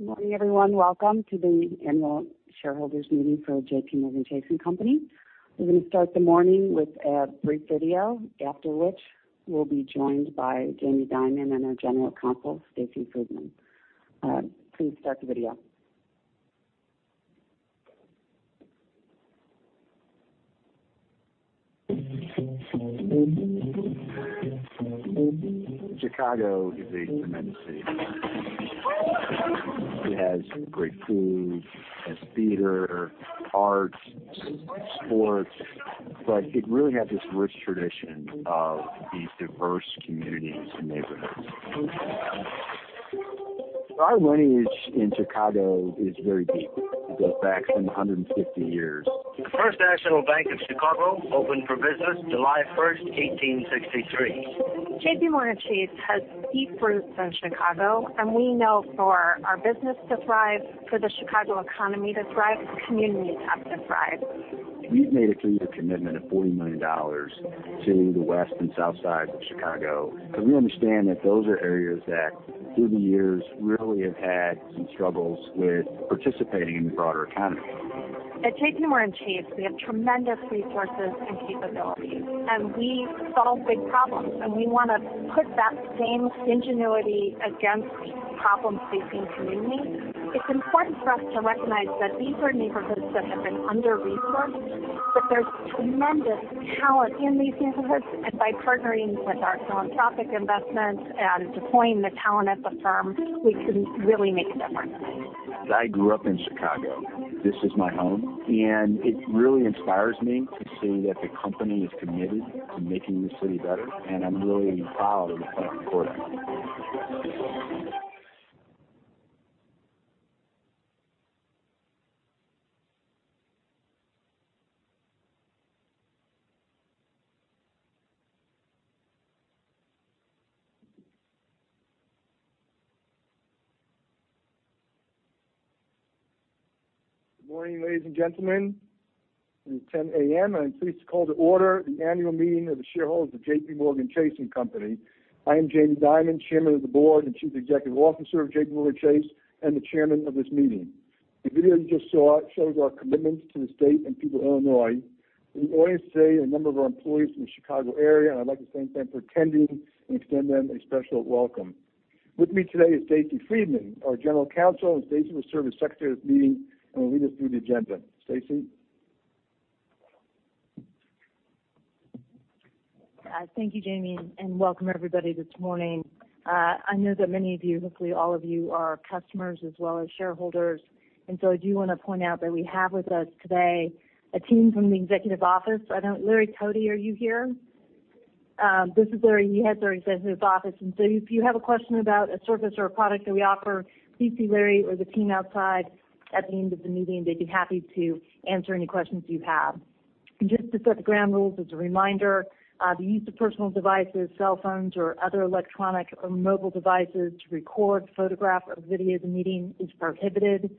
Good morning, everyone. Welcome to the annual shareholders' meeting for JPMorgan Chase & Co. We're going to start the morning with a brief video, after which we'll be joined by Jamie Dimon and our General Counsel, Stacey Friedman. Please start the video. Chicago is a tremendous city. It has great food, it has theater, arts, sports, but it really has this rich tradition of these diverse communities and neighborhoods. Our lineage in Chicago is very deep. It goes back some 150 years. The First National Bank of Chicago opened for business July 1st, 1863. JPMorgan Chase has deep roots in Chicago, and we know for our business to thrive, for the Chicago economy to thrive, communities have to thrive. We've made a three-year commitment of $40 million to the West and South sides of Chicago, because we understand that those are areas that through the years, really have had some struggles with participating in the broader economy. At JPMorgan Chase, we have tremendous resources and capabilities, and we solve big problems, and we want to put that same ingenuity against problems facing communities. It's important for us to recognize that these are neighborhoods that have been under-resourced, but there's tremendous talent in these neighborhoods, and by partnering with our philanthropic investments and deploying the talent at the firm, we can really make a difference. I grew up in Chicago. This is my home, and it really inspires me to see that the company is committed to making this city better, and I'm really proud of the progress we're making. Good morning, ladies and gentlemen. It is 10:00 A.M. I'm pleased to call to order the annual meeting of the shareholders of JPMorgan Chase & Co. I am Jamie Dimon, Chairman of the Board and Chief Executive Officer of JPMorgan Chase, and the chairman of this meeting. The video you just saw shows our commitment to the state and people of Illinois. We employ today a number of our employees from the Chicago area, and I'd like to thank them for attending and extend them a special welcome. With me today is Stacey Friedman, our General Counsel, and Stacy will serve as secretary of this meeting and will lead us through the agenda. Stacy? Thank you, Jamie. Welcome everybody this morning. I know that many of you, hopefully all of you, are customers as well as shareholders. I do want to point out that we have with us today a team from the executive office. Larry Tody, are you here? This is Larry. He heads our executive office. If you have a question about a service or a product that we offer, please see Larry or the team outside at the end of the meeting. They'd be happy to answer any questions you have. Just to set the ground rules, as a reminder, the use of personal devices, cell phones, or other electronic or mobile devices to record, photograph, or video the meeting is prohibited.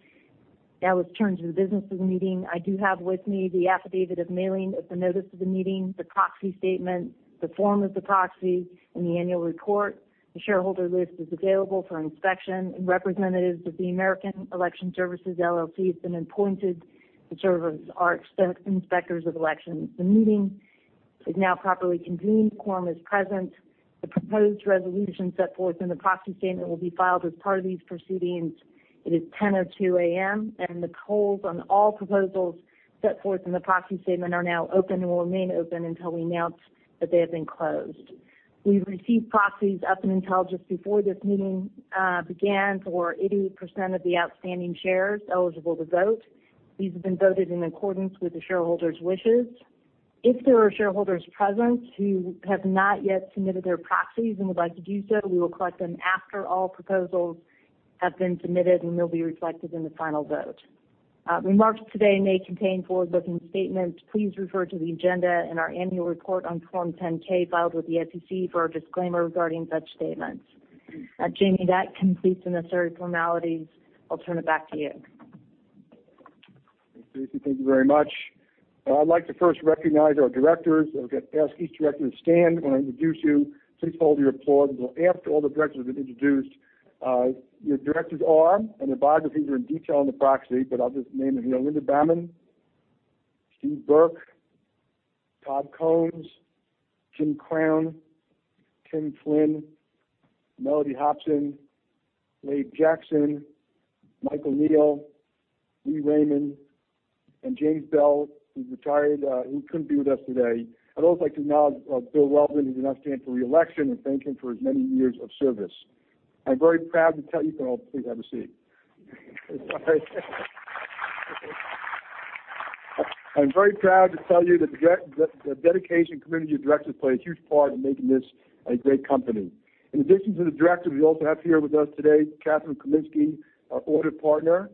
Let's turn to the business of the meeting. I do have with me the affidavit of mailing of the notice of the meeting, the proxy statement, the form of the proxy, and the annual report. The shareholder list is available for inspection. Representatives of the American Election Services, LLC has been appointed to serve as our inspectors of election. The meeting is now properly convened. Quorum is present. The proposed resolution set forth in the proxy statement will be filed as part of these proceedings. It is 10:02 A.M. The polls on all proposals set forth in the proxy statement are now open and will remain open until we announce that they have been closed. We've received proxies up until just before this meeting began for 80% of the outstanding shares eligible to vote. These have been voted in accordance with the shareholders' wishes. If there are shareholders present who have not yet submitted their proxies and would like to do so, we will collect them after all proposals have been submitted. They'll be reflected in the final vote. Remarks today may contain forward-looking statements. Please refer to the agenda and our annual report on Form 10-K filed with the SEC for a disclaimer regarding such statements. Jamie, that completes the necessary formalities. I'll turn it back to you. Thanks, Stacey. Thank you very much. I'd like to first recognize our directors. I'll ask each director to stand when I introduce you. Please hold your applause until after all the directors have been introduced. Your directors are. Their biographies are in detail in the proxy. I'll just name them here. Linda Bammann, Stephen B. Burke, Todd Combs, James Crown, Timothy Flynn, Mellody Hobson, Laban Jackson, Jr., Michael O'Neill, Lee Raymond. James Bell, who's retired, who couldn't be with us today. I'd also like to acknowledge William C. Weldon, who did not stand for re-election. Thank him for his many years of service. I'm very proud to tell you. You can all please have a seat. I'm very proud to tell you that the dedication and commitment of your directors play a huge part in making this a great company. In addition to the directors, we also have here with us today, Catherine Kaminski, our audit partner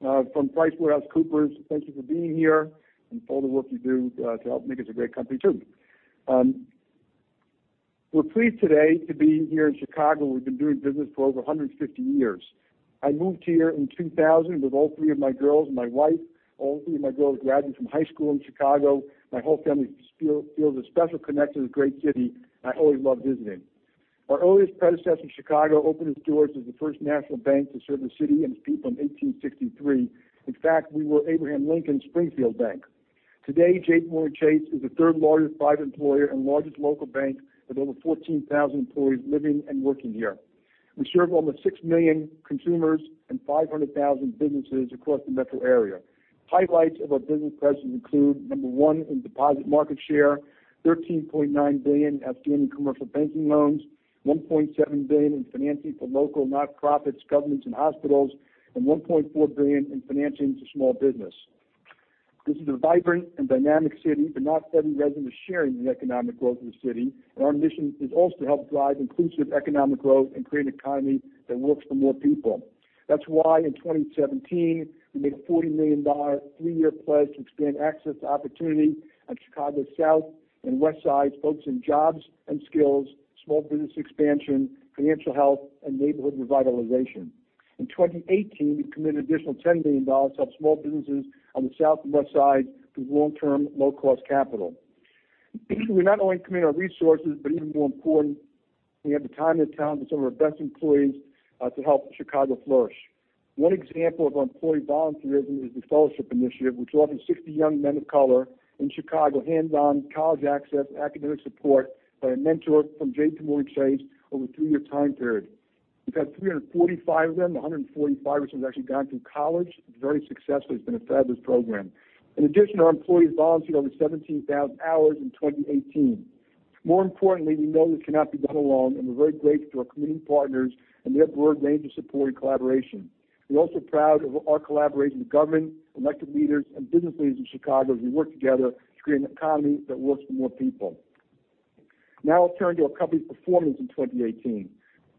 from PricewaterhouseCoopers. Thank you for being here and for all the work you do to help make us a great company, too. We're pleased today to be here in Chicago. We've been doing business for over 150 years. I moved here in 2000 with all three of my girls and my wife. All three of my girls graduated from high school in Chicago. My whole family feels a special connection to this great city, and I always love visiting. Our earliest predecessor in Chicago opened its doors as The First National Bank of Chicago to serve the city and its people in 1863. In fact, we were Abraham Lincoln's Springfield Bank. Today, JPMorgan Chase is the third largest private employer and largest local bank with over 14,000 employees living and working here. We serve almost six million consumers and 500,000 businesses across the metro area. Highlights of our business presence include: number one in deposit market share, $13.9 billion outstanding commercial banking loans, $1.7 billion in financing for local nonprofits, governments, and hospitals, and $1.4 billion in financing to small business. This is a vibrant and dynamic city, but not every resident is sharing in the economic growth of the city, and our mission is also to help drive inclusive economic growth and create an economy that works for more people. That's why in 2017, we made a $40 million three-year pledge to expand access to opportunity on Chicago's South and West Sides, focusing on jobs and skills, small business expansion, financial health, and neighborhood revitalization. In 2018, we committed an additional $10 million to help small businesses on the South and West Sides through long-term, low-cost capital. We not only commit our resources, but even more important, we have the time and talent of some of our best employees to help Chicago flourish. One example of our employee volunteerism is The Fellowship Initiative. We're offering 60 young men of color in Chicago hands-on college access and academic support by a mentor from JPMorgan Chase over a two-year time period. We've had 345 of them, 145 of whom have actually gone through college very successfully. It's been a fabulous program. In addition, our employees volunteered over 17,000 hours in 2018. More importantly, we know this cannot be done alone, and we're very grateful to our community partners and their broad range of support and collaboration. We're also proud of our collaboration with government, elected leaders, and business leaders in Chicago as we work together to create an economy that works for more people. I'll turn to our company's performance in 2018.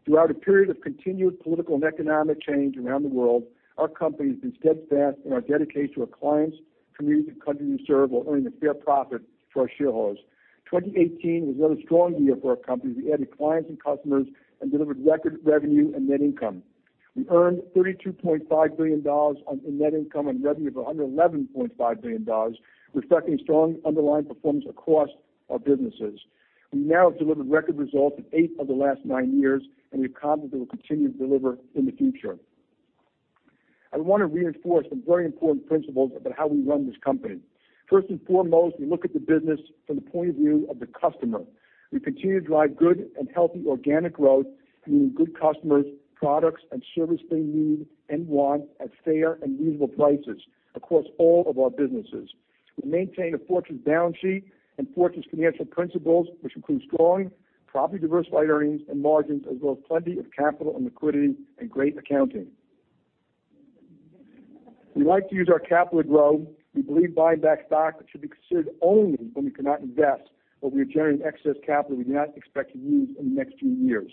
Throughout a period of continued political and economic change around the world, our company has been steadfast in our dedication to our clients, communities, and countries we serve while earning a fair profit for our shareholders. 2018 was another strong year for our company as we added clients and customers and delivered record revenue and net income. We earned $32.5 billion in net income on revenue of $111.5 billion, reflecting strong underlying performance across our businesses. We now have delivered record results in eight of the last nine years, and we are confident that we'll continue to deliver in the future. I want to reinforce some very important principles about how we run this company. First and foremost, we look at the business from the point of view of the customer. We continue to drive good and healthy organic growth, giving good customers products and service they need and want at fair and reasonable prices across all of our businesses. We maintain a fortress balance sheet and fortress financial principles, which includes strong, properly diversified earnings and margins as well as plenty of capital and liquidity and great accounting. We like to use our capital to grow. We believe buying back stock should be considered only when we cannot invest or we are generating excess capital we do not expect to use in the next few years.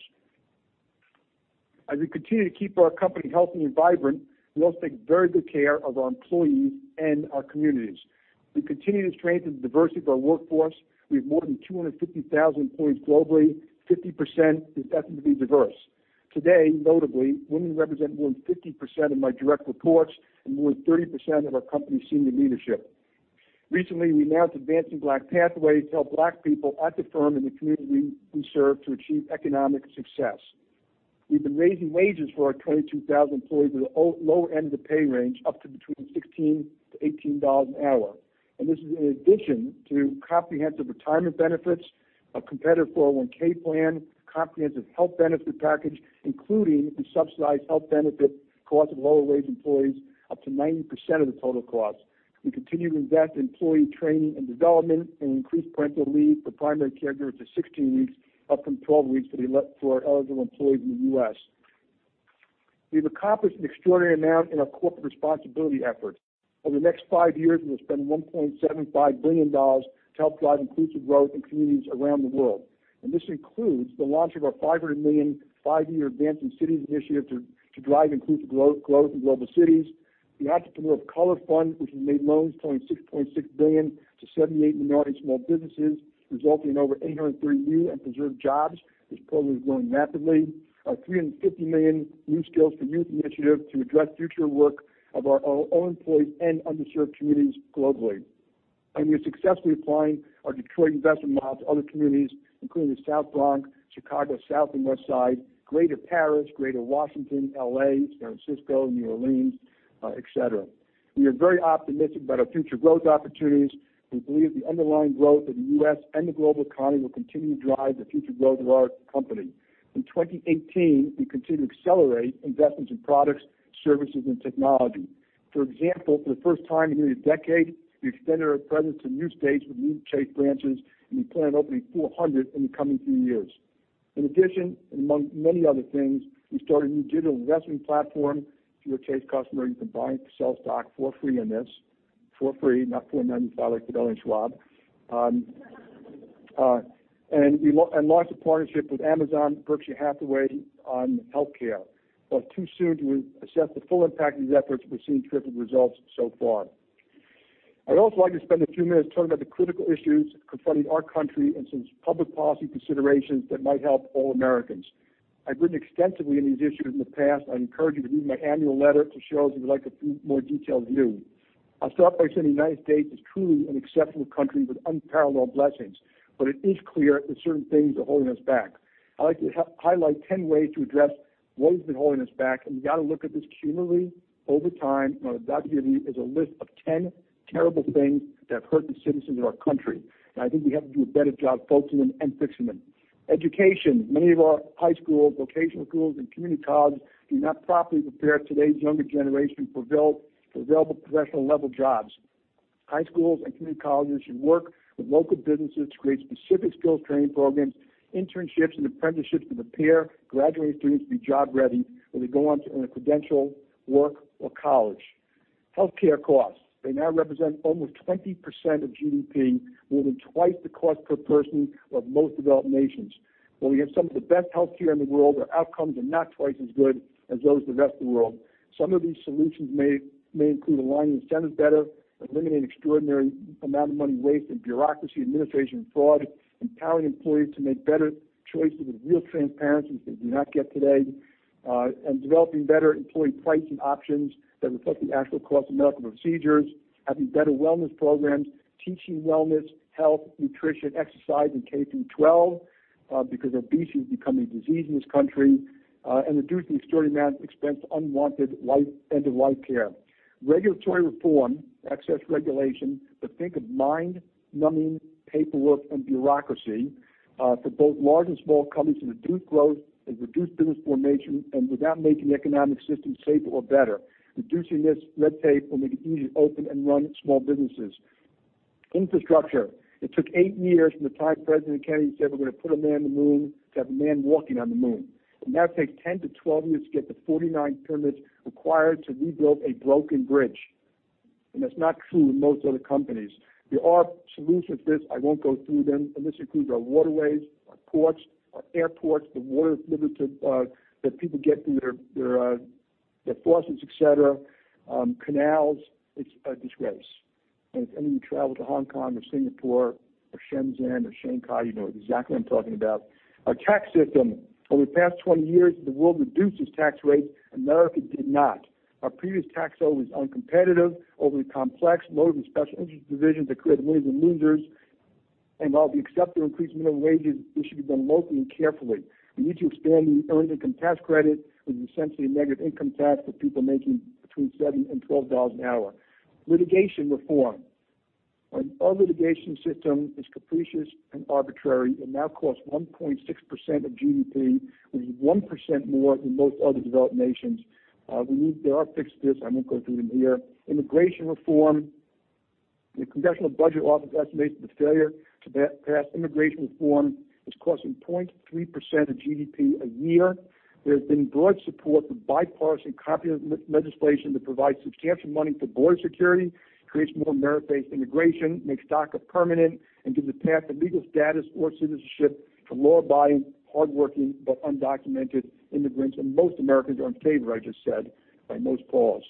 As we continue to keep our company healthy and vibrant, we also take very good care of our employees and our communities. We continue to strengthen the diversity of our workforce. We have more than 250,000 employees globally, 50% is definitely diverse. Today, notably, women represent more than 50% of my direct reports and more than 30% of our company's senior leadership. Recently, we announced Advancing Black Pathways to help Black people at the firm and the community we serve to achieve economic success. We've been raising wages for our 22,000 employees at the low end of the pay range up to between $16 to $18 an hour. This is in addition to comprehensive retirement benefits, a competitive 401 plan, comprehensive health benefit package, including the subsidized health benefit cost of lower-wage employees, up to 90% of the total cost. We continue to invest in employee training and development and increased parental leave for primary caregivers to 16 weeks, up from 12 weeks for our eligible employees in the U.S. We've accomplished an extraordinary amount in our corporate responsibility efforts. Over the next five years, we will spend $1.75 billion to help drive inclusive growth in communities around the world. This includes the launch of our $500 million five-year AdvancingCities initiative to drive inclusive growth in global cities. The Entrepreneurs of Color Fund, which has made loans totaling $6.6 billion to 78 minority small businesses, resulting in over 803 new and preserved jobs. This program is growing rapidly. Our $350 million New Skills for Youth initiative to address future work of our own employees and underserved communities globally. We are successfully applying our Detroit investment model to other communities, including the South Bronx; Chicago's South and West Side; Greater Paris; Greater Washington; L.A.; San Francisco; New Orleans, et cetera. We are very optimistic about our future growth opportunities. We believe the underlying growth of the U.S. and the global economy will continue to drive the future growth of our company. In 2018, we continued to accelerate investments in products, services, and technology. For example, for the first time in nearly a decade, we extended our presence to new states with new Chase branches, and we plan on opening 400 in the coming few years. In addition, among many other things, we started a new digital investment platform. If you're a Chase customer, you can buy and sell stock for free on this. For free, not for $9.95 like at bloody Schwab. Launched a partnership with Amazon, Berkshire Hathaway on healthcare. While it's too soon to assess the full impact of these efforts, we're seeing terrific results so far. I'd also like to spend a few minutes talking about the critical issues confronting our country and some public policy considerations that might help all Americans. I've written extensively on these issues in the past. I encourage you to read my annual letter to shareholders if you would like a more detailed view. I'll start by saying the United States is truly an exceptional country with unparalleled blessings, but it is clear that certain things are holding us back. I'd like to highlight 10 ways to address what has been holding us back, and we've got to look at this cumulatively over time. On a dot view is a list of 10 terrible things that have hurt the citizens of our country. I think we have to do a better job focusing and fixing them. Education. Many of our high schools, vocational schools, and community colleges do not properly prepare today's younger generation for available professional-level jobs. High schools and community colleges should work with local businesses to create specific skills training programs, internships, and apprenticeships to prepare graduating students to be job-ready when they go on to earn a credential, work, or college. Healthcare costs. They now represent almost 20% of GDP, more than twice the cost per person of most developed nations. While we have some of the best healthcare in the world, our outcomes are not twice as good as those of the rest of the world. Some of these solutions may include aligning incentives better, eliminating extraordinary amount of money wasted in bureaucracy, administration, fraud, empowering employees to make better choices with real transparency, which they do not get today, and developing better employee pricing options that reflect the actual cost of medical procedures, having better wellness programs, teaching wellness, health, nutrition, exercise in K through 12, because obesity is becoming a disease in this country, and reduce the extraordinary amount of expense of unwanted end-of-life care. Regulatory reform, excess regulation. Just think of mind-numbing paperwork and bureaucracy for both large and small companies to reduce growth and reduce business formation without making the economic system safer or better. Reducing this red tape will make it easier to open and run small businesses. Infrastructure. It took 8 years from the time President Kennedy said we're going to put a man on the moon to have a man walking on the moon. It now takes 10-12 years to get the 49 permits required to rebuild a broken bridge. That's not true with most other companies. There are solutions to this. I won't go through them. This includes our waterways, our ports, our airports, the water delivery to that people get through their faucets, et cetera, canals. It's a disgrace. If any of you travel to Hong Kong or Singapore or Shenzhen or Shanghai, you know exactly what I'm talking about. Our tax system. Over the past 20 years, the world reduced its tax rates. America did not. Our previous tax code was uncompetitive, overly complex, loaded with special interest provisions that created winners and losers. While we accept the increase in minimum wages, it should be done locally and carefully. We need to expand the earned income tax credit, which is essentially a negative income tax for people making between $7 and $12 an hour. Litigation reform. Our litigation system is capricious and arbitrary. It now costs 1.6% of GDP, which is 1% more than most other developed nations. There are fixes to this. I won't go through them here. Immigration reform. The Congressional Budget Office estimates that the failure to pass immigration reform is costing 0.3% of GDP a year. There has been broad support for bipartisan, comprehensive legislation that provides substantial money for border security, creates more merit-based immigration, makes DACA permanent, and gives a path to legal status or citizenship to law-abiding, hardworking, but undocumented immigrants. Most Americans are in favor, I just said, by most polls.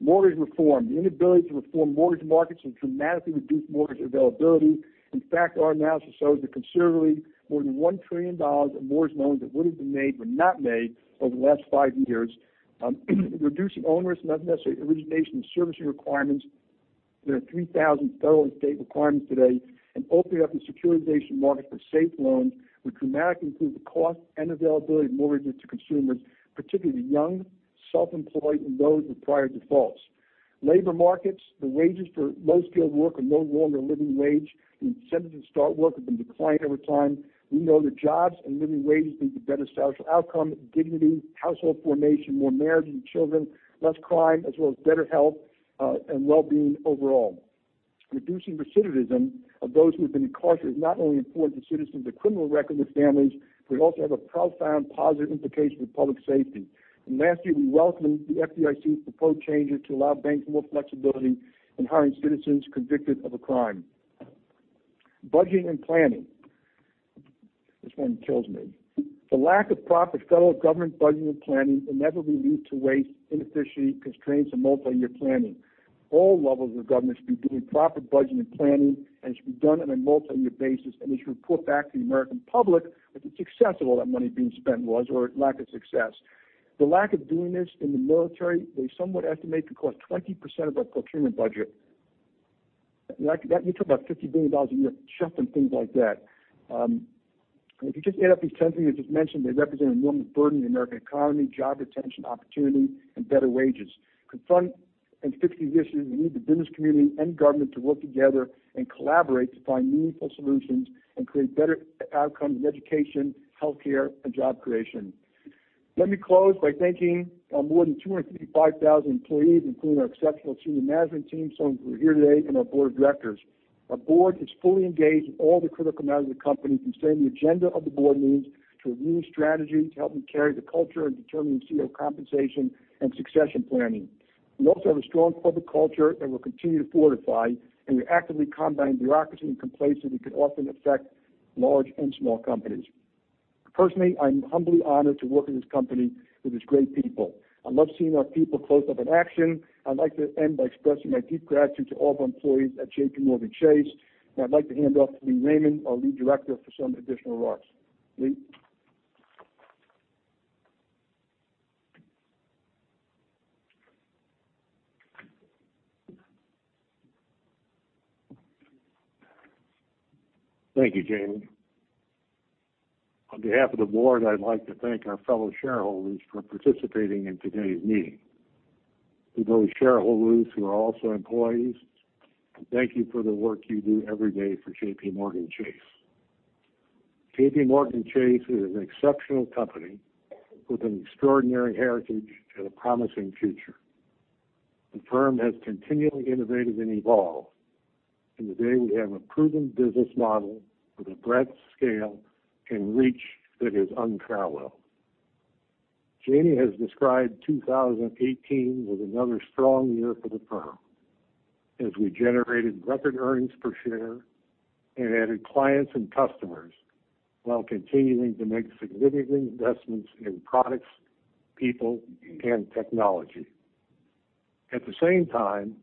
Mortgage reform. The inability to reform mortgage markets has dramatically reduced mortgage availability. In fact, our analysis shows that conservatively more than $1 trillion of mortgage loans that would have been made were not made over the last five years. Reducing onerous, not necessarily origination and servicing requirements. There are 3,000 federal and state requirements today. Opening up the securitization market for safe loans would dramatically improve the cost and availability of mortgages to consumers, particularly young, self-employed, and those with prior defaults. Labor markets. The wages for low-skilled work are no longer a living wage. The incentives to start work have been declining over time. We know that jobs and living wages lead to better social outcome, dignity, household formation, more marriages and children, less crime, as well as better health and well-being overall. Reducing recidivism of those who have been incarcerated is not only important to citizens with criminal records families, but it also has a profound positive implication for public safety. Lastly, we welcome the FDIC's proposed changes to allow banks more flexibility in hiring citizens convicted of a crime. Budgeting and planning. This one kills me. The lack of proper federal government budgeting and planning inevitably leads to waste, inefficiency, constraints in multi-year planning. All levels of government should be doing proper budgeting and planning and should be done on a multi-year basis and should report back to the American public if it's successful, all that money being spent was or lack of success. The lack of doing this in the military, they somewhat estimate, could cost 20% of our procurement budget. You're talking about $50 billion a year just in things like that. If you just add up these 10 things I just mentioned, they represent an enormous burden to the American economy, job retention, opportunity, and better wages. To confront and fix these issues, we need the business community and government to work together and collaborate to find meaningful solutions and create better outcomes in education, healthcare, and job creation. Let me close by thanking our more than 235,000 employees, including our exceptional senior management team, some of who are here today, and our board of directors. Our board is fully engaged in all the critical matters of the company, from setting the agenda of the board meetings to reviewing strategy to helping carry the culture and determining CEO compensation and succession planning. We also have a strong public culture that we'll continue to fortify, and we're actively combating bureaucracy and complacency that can often affect large and small companies. Personally, I'm humbly honored to work at this company with these great people. I love seeing our people close up in action. I'd like to end by expressing my deep gratitude to all the employees at JPMorgan Chase. Now I'd like to hand it off to Lee Raymond, our Lead Director, for some additional remarks. Lee? Thank you, Jamie. On behalf of the board, I'd like to thank our fellow shareholders for participating in today's meeting. To those shareholders who are also employees, thank you for the work you do every day for JPMorgan Chase. JPMorgan Chase is an exceptional company with an extraordinary heritage and a promising future. The firm has continually innovated and evolved, and today we have a proven business model with a breadth, scale, and reach that is unparalleled. Jamie has described 2018 as another strong year for the firm, as we generated record earnings per share and added clients and customers while continuing to make significant investments in products, people, and technology. At the same time,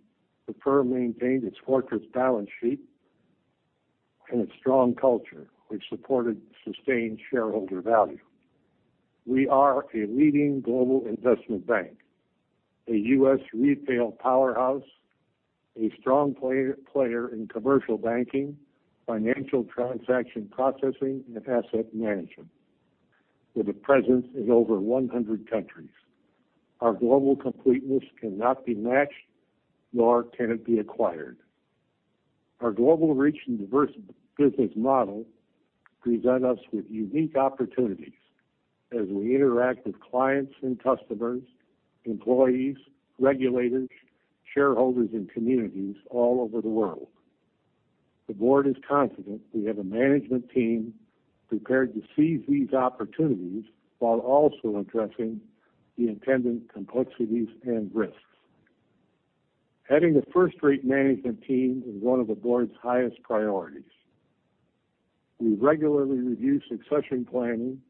the firm maintained its fortress balance sheet and its strong culture, which supported sustained shareholder value. We are a leading global investment bank, a U.S. retail powerhouse, a strong player in commercial banking, financial transaction processing, and asset management, with a presence in over 100 countries. Our global completeness cannot be matched, nor can it be acquired. Our global reach and diverse business model present us with unique opportunities as we interact with clients and customers, employees, regulators, shareholders, and communities all over the world. The board is confident we have a management team prepared to seize these opportunities while also addressing the attendant complexities and risks. Having a first-rate management team is one of the board's highest priorities. We regularly review succession planning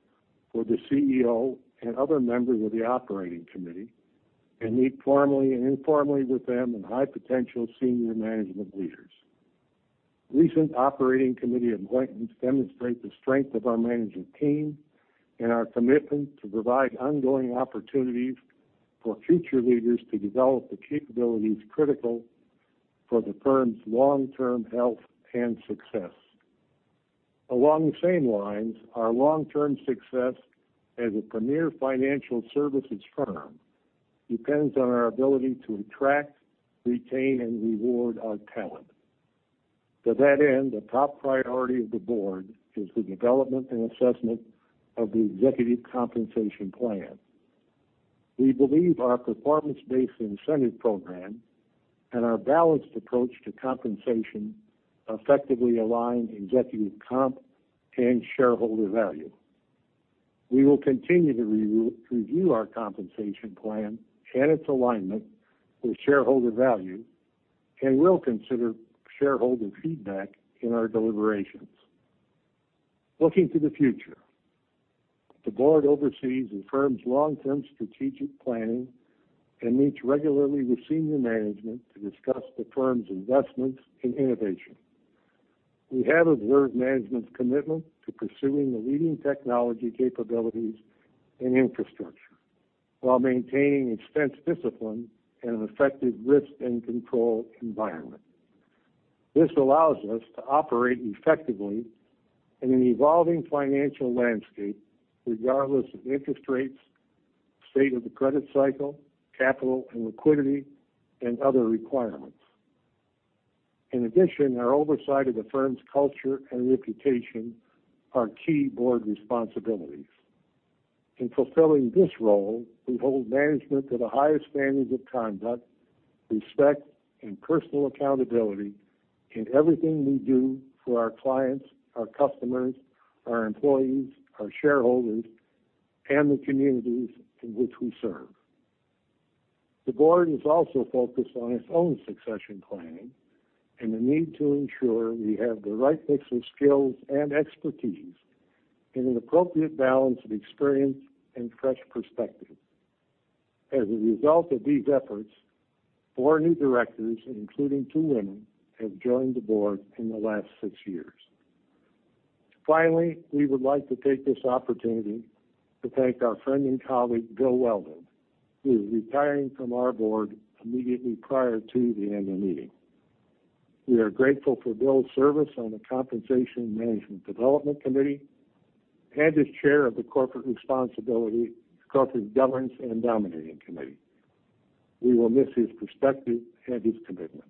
for the CEO and other members of the Operating Committee and meet formally and informally with them and high-potential senior management leaders. Recent Operating Committee appointments demonstrate the strength of our management team and our commitment to provide ongoing opportunities for future leaders to develop the capabilities critical for the firm's long-term health and success. Along the same lines, our long-term success as a premier financial services firm depends on our ability to attract, retain, and reward our talent. To that end, a top priority of the board is the development and assessment of the Executive Compensation Plan. We believe our performance-based incentive program and our balanced approach to compensation effectively align executive comp and shareholder value. We will continue to review our compensation plan and its alignment with shareholder value, and we'll consider shareholder feedback in our deliberations. Looking to the future, the board oversees the firm's long-term Strategic Planning and meets regularly with senior management to discuss the firm's investments in innovation. We have observed management's commitment to pursuing the leading technology capabilities and infrastructure while maintaining expense discipline and an effective risk and control environment. This allows us to operate effectively in an evolving financial landscape, regardless of interest rates, state of the credit cycle, capital and liquidity, and other requirements. In addition, our oversight of the firm's culture and reputation are key board responsibilities. In fulfilling this role, we hold management to the highest standards of conduct, respect, and personal accountability in everything we do for our clients, our customers, our employees, our shareholders, and the communities in which we serve. The board is also focused on its own succession planning and the need to ensure we have the right mix of skills and expertise and an appropriate balance of experience and fresh perspective. As a result of these efforts, four new directors, including two women, have joined the board in the last six years. Finally, we would like to take this opportunity to thank our friend and colleague, Bill Weldon, who is retiring from our board immediately prior to the end of the meeting. We are grateful for Bill's service on the Compensation Management Development Committee and as chair of the Corporate Governance and Nominating Committee. We will miss his perspective and his commitment.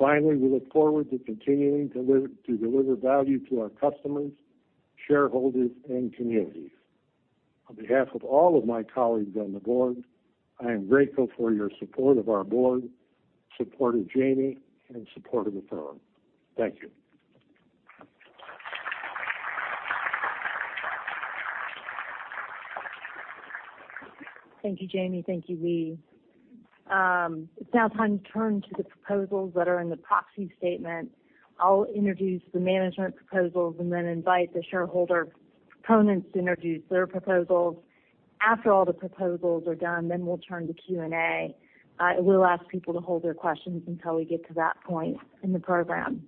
Finally, we look forward to continuing to deliver value to our customers, shareholders, and communities. On behalf of all of my colleagues on the board, I am grateful for your support of our board, support of Jamie, and support of the firm. Thank you. Thank you, Jamie. Thank you, Lee. It's now time to turn to the proposals that are in the proxy statement. I'll introduce the management proposals and then invite the shareholder proponents to introduce their proposals. After all the proposals are done, then we'll turn to Q&A. I will ask people to hold their questions until we get to that point in the program.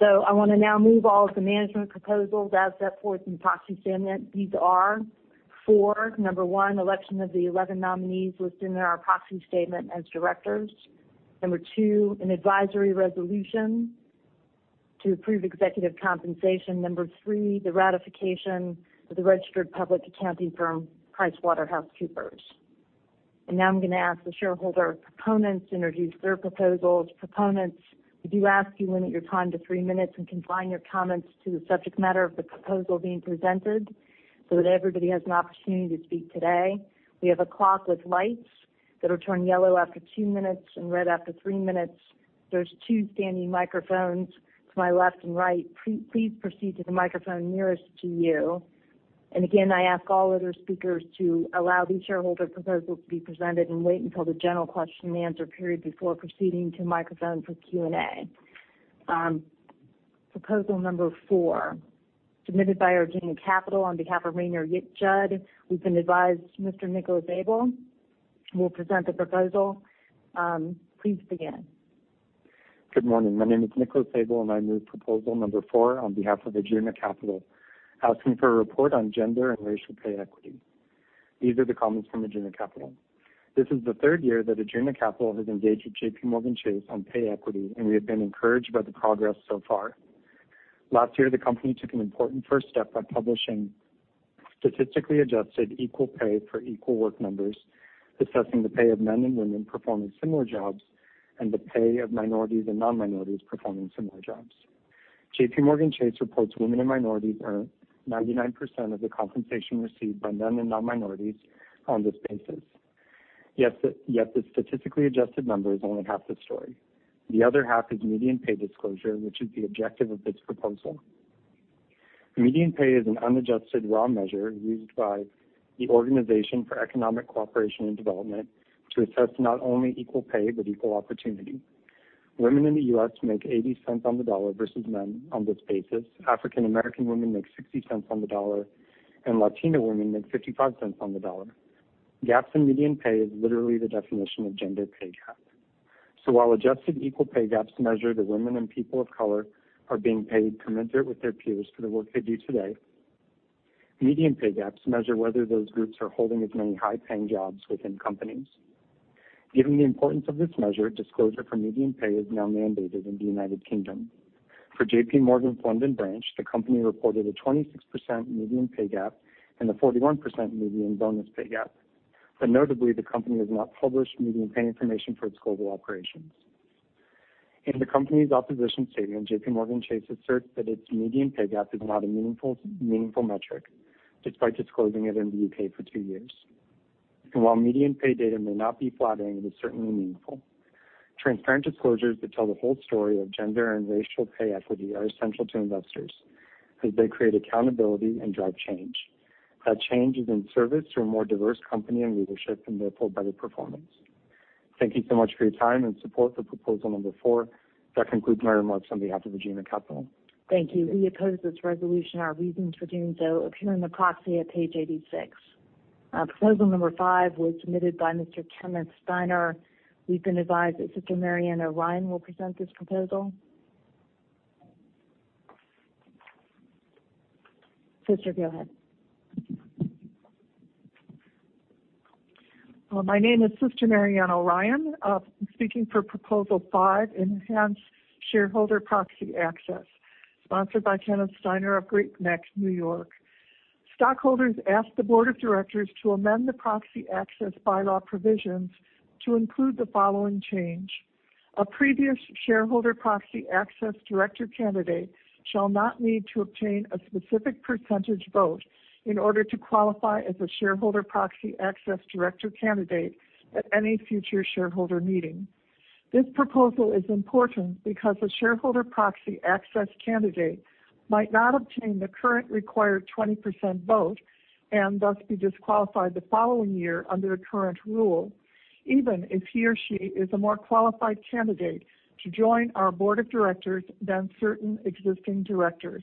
I want to now move all of the management proposals as set forth in the proxy statement. These are four. Number one, election of the 11 nominees listed in our proxy statement as directors. Number two, an advisory resolution to approve executive compensation. Number three, the ratification of the registered public accounting firm, PricewaterhouseCoopers. Now I'm going to ask the shareholder proponents to introduce their proposals. Proponents, we do ask you limit your time to three minutes and confine your comments to the subject matter of the proposal being presented so that everybody has an opportunity to speak today. We have a clock with lights that will turn yellow after two minutes and red after three minutes. There's two standing microphones to my left and right. Please proceed to the microphone nearest to you. Again, I ask all other speakers to allow these shareholder proposals to be presented and wait until the general question and answer period before proceeding to microphone for Q&A. Proposal number four, submitted by Arjuna Capital on behalf of Raynor Yudjud. We've been advised Mr. Nicholas Abel will present the proposal. Please begin. Good morning. My name is Nicholas Abel. I move proposal number four on behalf of Arjuna Capital, asking for a report on gender and racial pay equity. These are the comments from Arjuna Capital. This is the third year that Arjuna Capital has engaged with JPMorgan Chase on pay equity. We have been encouraged by the progress so far. Last year, the company took an important first step by publishing statistically adjusted equal pay for equal work numbers, assessing the pay of men and women performing similar jobs, the pay of minorities and non-minorities performing similar jobs. JPMorgan Chase reports women and minorities earn 99% of the compensation received by men and non-minorities on this basis. The statistically adjusted number is only half the story. The other half is median pay disclosure, which is the objective of this proposal. Median pay is an unadjusted raw measure used by the Organisation for Economic Co-operation and Development to assess not only equal pay, equal opportunity. Women in the U.S. make $0.80 on the dollar versus men on this basis. African American women make $0.60 on the dollar, Latina women make $0.55 on the dollar. Gaps in median pay is literally the definition of gender pay gap. While adjusted equal pay gaps measure that women and people of color are being paid commensurate with their peers for the work they do today, median pay gaps measure whether those groups are holding as many high-paying jobs within companies. Given the importance of this measure, disclosure for median pay is now mandated in the United Kingdom. For JPMorgan's London branch, the company reported a 26% median pay gap and a 41% median bonus pay gap. Notably, the company has not published median pay information for its global operations. In the company's opposition statement, JPMorgan Chase asserts that its median pay gap is not a meaningful metric, despite disclosing it in the U.K. for two years. While median pay data may not be flattering, it is certainly meaningful. Transparent disclosures that tell the whole story of gender and racial pay equity are essential to investors as they create accountability and drive change. That change is in service to a more diverse company and leadership, therefore better performance. Thank you so much for your time. In support of proposal number four, that concludes my remarks on behalf of Arjuna Capital. Thank you. We oppose this resolution. Our reasons for doing so appear in the proxy at page 86. Proposal number five was submitted by Mr. Kenneth Steiner. We've been advised that Sister Mary Ann O'Ryan will present this proposal. Sister, go ahead. My name is Sister Mary Ann O'Ryan. I am speaking for proposal five, enhance shareholder proxy access, sponsored by Kenneth Steiner of Great Neck, N.Y. Stockholders ask the board of directors to amend the proxy access bylaw provisions to include the following change. A previous shareholder proxy access director candidate shall not need to obtain a specific percentage vote in order to qualify as a shareholder proxy access director candidate at any future shareholder meeting. This proposal is important because a shareholder proxy access candidate might not obtain the current required 20% vote and thus be disqualified the following year under a current rule, even if he or she is a more qualified candidate to join our board of directors than certain existing directors.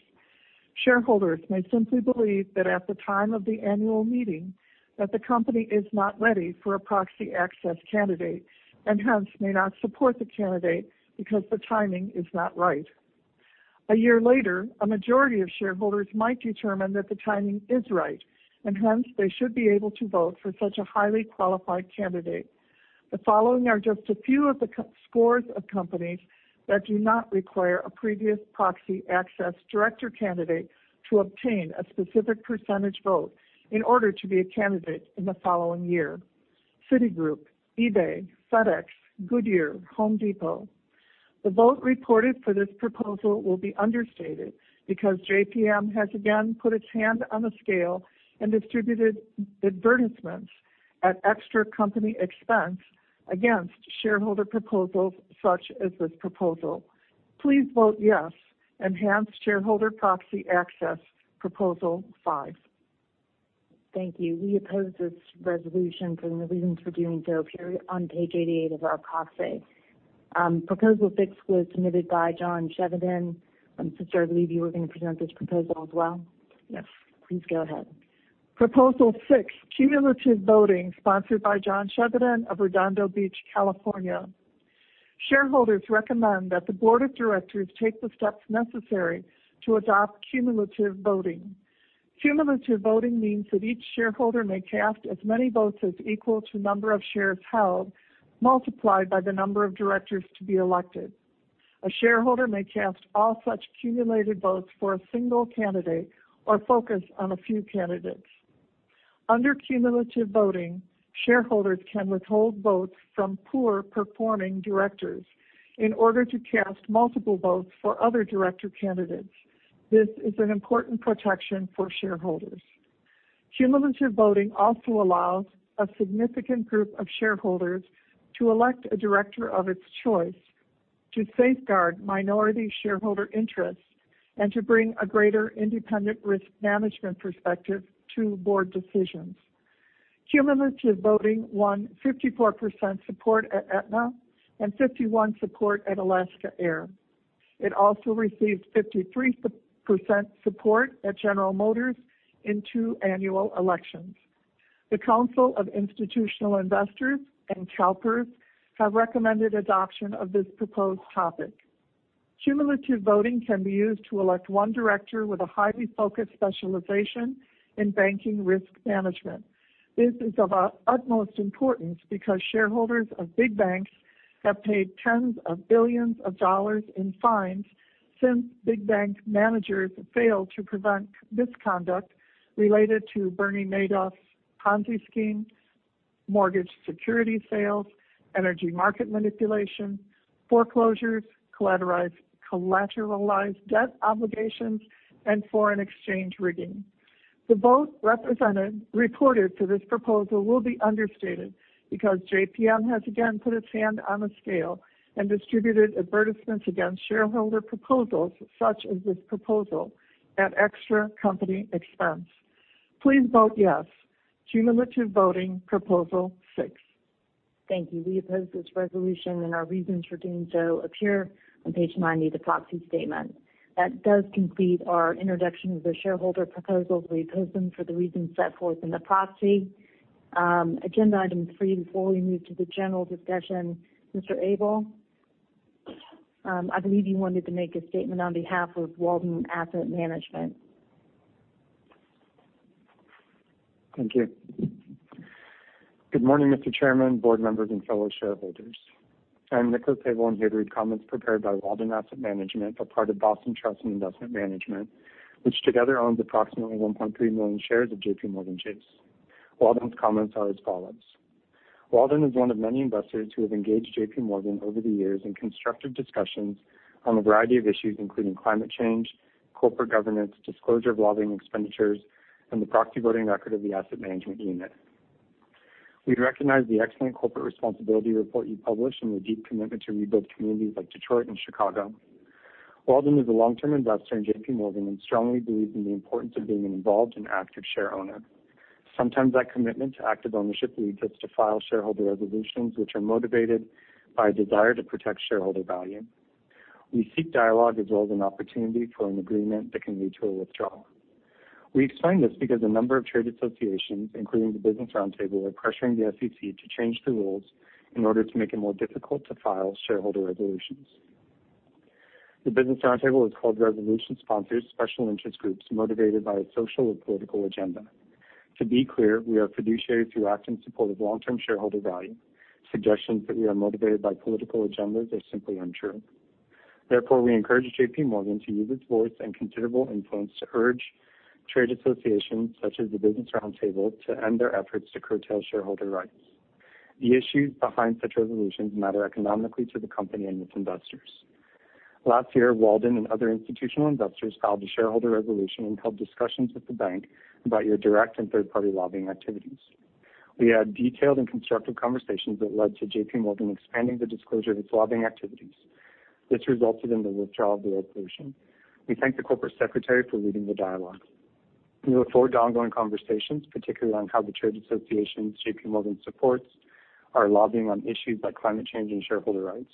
Shareholders may simply believe that at the time of the annual meeting that the company is not ready for a proxy access candidate, and hence may not support the candidate because the timing is not right. A year later, a majority of shareholders might determine that the timing is right, and hence they should be able to vote for such a highly qualified candidate. The following are just a few of the scores of companies that do not require a previous proxy access director candidate to obtain a specific percentage vote in order to be a candidate in the following year. Citigroup, eBay, FedEx, Goodyear, The Home Depot. The vote reported for this proposal will be understated because JPM has again put its hand on the scale and distributed advertisements at extra company expense against shareholder proposals such as this proposal. Please vote yes. Enhance shareholder proxy access, proposal five. Thank you. We oppose this resolution, and the reasons for doing so appear on page 88 of our proxy. Proposal six was submitted by John Chevedden. Mr. Chevedden, I believe you were going to present this proposal as well. Yes. Please go ahead. Proposal six, cumulative voting, sponsored by John Chevedden of Redondo Beach, California. Shareholders recommend that the board of directors take the steps necessary to adopt cumulative voting. Cumulative voting means that each shareholder may cast as many votes as equal to number of shares held, multiplied by the number of directors to be elected. A shareholder may cast all such cumulative votes for a single candidate or focus on a few candidates. Under cumulative voting, shareholders can withhold votes from poor-performing directors in order to cast multiple votes for other director candidates. This is an important protection for shareholders. Cumulative voting also allows a significant group of shareholders to elect a director of its choice, to safeguard minority shareholder interests, and to bring a greater independent risk management perspective to board decisions. Cumulative voting won 54% support at Aetna and 51% support at Alaska Air. It also received 53% support at General Motors in two annual elections. The Council of Institutional Investors and CalPERS have recommended adoption of this proposed topic. Cumulative voting can be used to elect one director with a highly focused specialization in banking risk management. This is of utmost importance because shareholders of big banks have paid tens of billions of dollars in fines since big bank managers failed to prevent misconduct related to Bernie Madoff's Ponzi scheme, mortgage security sales, energy market manipulation, foreclosures, collateralized debt obligations, and foreign exchange rigging. The vote reported for this proposal will be understated because JPM has again put its hand on the scale and distributed advertisements against shareholder proposals, such as this proposal, at extra company expense. Please vote yes. Cumulative voting, proposal six. Thank you. We oppose this resolution, and our reasons for doing so appear on page 90 of the proxy statement. That does conclude our introduction of the shareholder proposals. We oppose them for the reasons set forth in the proxy. Agenda item three. Before we move to the general discussion, Mr. Abel, I believe you wanted to make a statement on behalf of Walden Asset Management. Thank you. Good morning, Mr. Chairman, board members, and fellow shareholders. I'm Nicholas Abel. I'm here to read comments prepared by Walden Asset Management, a part of Boston Trust & Investment Management, which together owns approximately 1.3 million shares of JPMorgan Chase. Walden's comments are as follows. Walden is one of many investors who have engaged JPMorgan over the years in constructive discussions on a variety of issues, including climate change, corporate governance, disclosure of lobbying expenditures, and the proxy voting record of the asset management unit. We recognize the excellent corporate responsibility report you published and the deep commitment to rebuild communities like Detroit and Chicago. Walden is a long-term investor in JPMorgan and strongly believes in the importance of being an involved and active shareowner. Sometimes that commitment to active ownership leads us to file shareholder resolutions which are motivated by a desire to protect shareholder value. We seek dialogue as well as an opportunity for an agreement that can lead to a withdrawal. We explain this because a number of trade associations, including the Business Roundtable, are pressuring the SEC to change the rules in order to make it more difficult to file shareholder resolutions. The Business Roundtable has called resolution sponsors special interest groups motivated by a social or political agenda. To be clear, we are fiduciaries who act in support of long-term shareholder value. Suggestions that we are motivated by political agendas are simply untrue. We encourage JPMorgan to use its voice and considerable influence to urge trade associations such as the Business Roundtable to end their efforts to curtail shareholder rights. The issues behind such resolutions matter economically to the company and its investors. Last year, Walden and other institutional investors filed a shareholder resolution and held discussions with the bank about your direct and third-party lobbying activities. We had detailed and constructive conversations that led to JPMorgan expanding the disclosure of its lobbying activities. This resulted in the withdrawal of the resolution. We thank the corporate secretary for leading the dialogue. We look forward to ongoing conversations, particularly on how the trade associations JPMorgan supports are lobbying on issues like climate change and shareholder rights.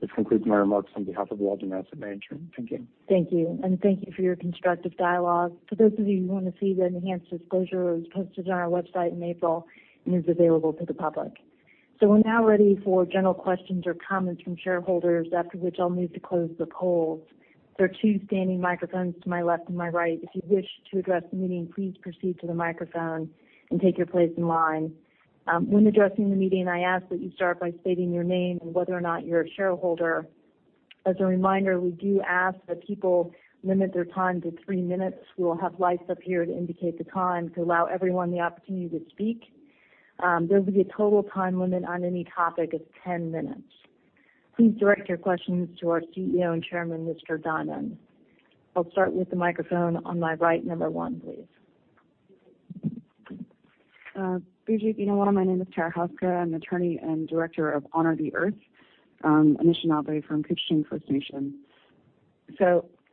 This concludes my remarks on behalf of Walden Asset Management. Thank you. Thank you, thank you for your constructive dialogue. For those of you who want to see the enhanced disclosure, it was posted on our website in April and is available to the public. We're now ready for general questions or comments from shareholders, after which I'll need to close the polls. There are two standing microphones to my left and my right. If you wish to address the meeting, please proceed to the microphone and take your place in line. When addressing the meeting, I ask that you start by stating your name and whether or not you're a shareholder. As a reminder, we do ask that people limit their time to three minutes. We will have lights up here to indicate the time to allow everyone the opportunity to speak. There's going to be a total time limit on any topic of 10 minutes. Please direct your questions to our CEO and chairman, Mr. Dimon. I'll start with the microphone on my right, number one, please. My name is Tara Houska. I'm an attorney and director of Honor the Earth, Anishinaabe from Couchiching First Nation.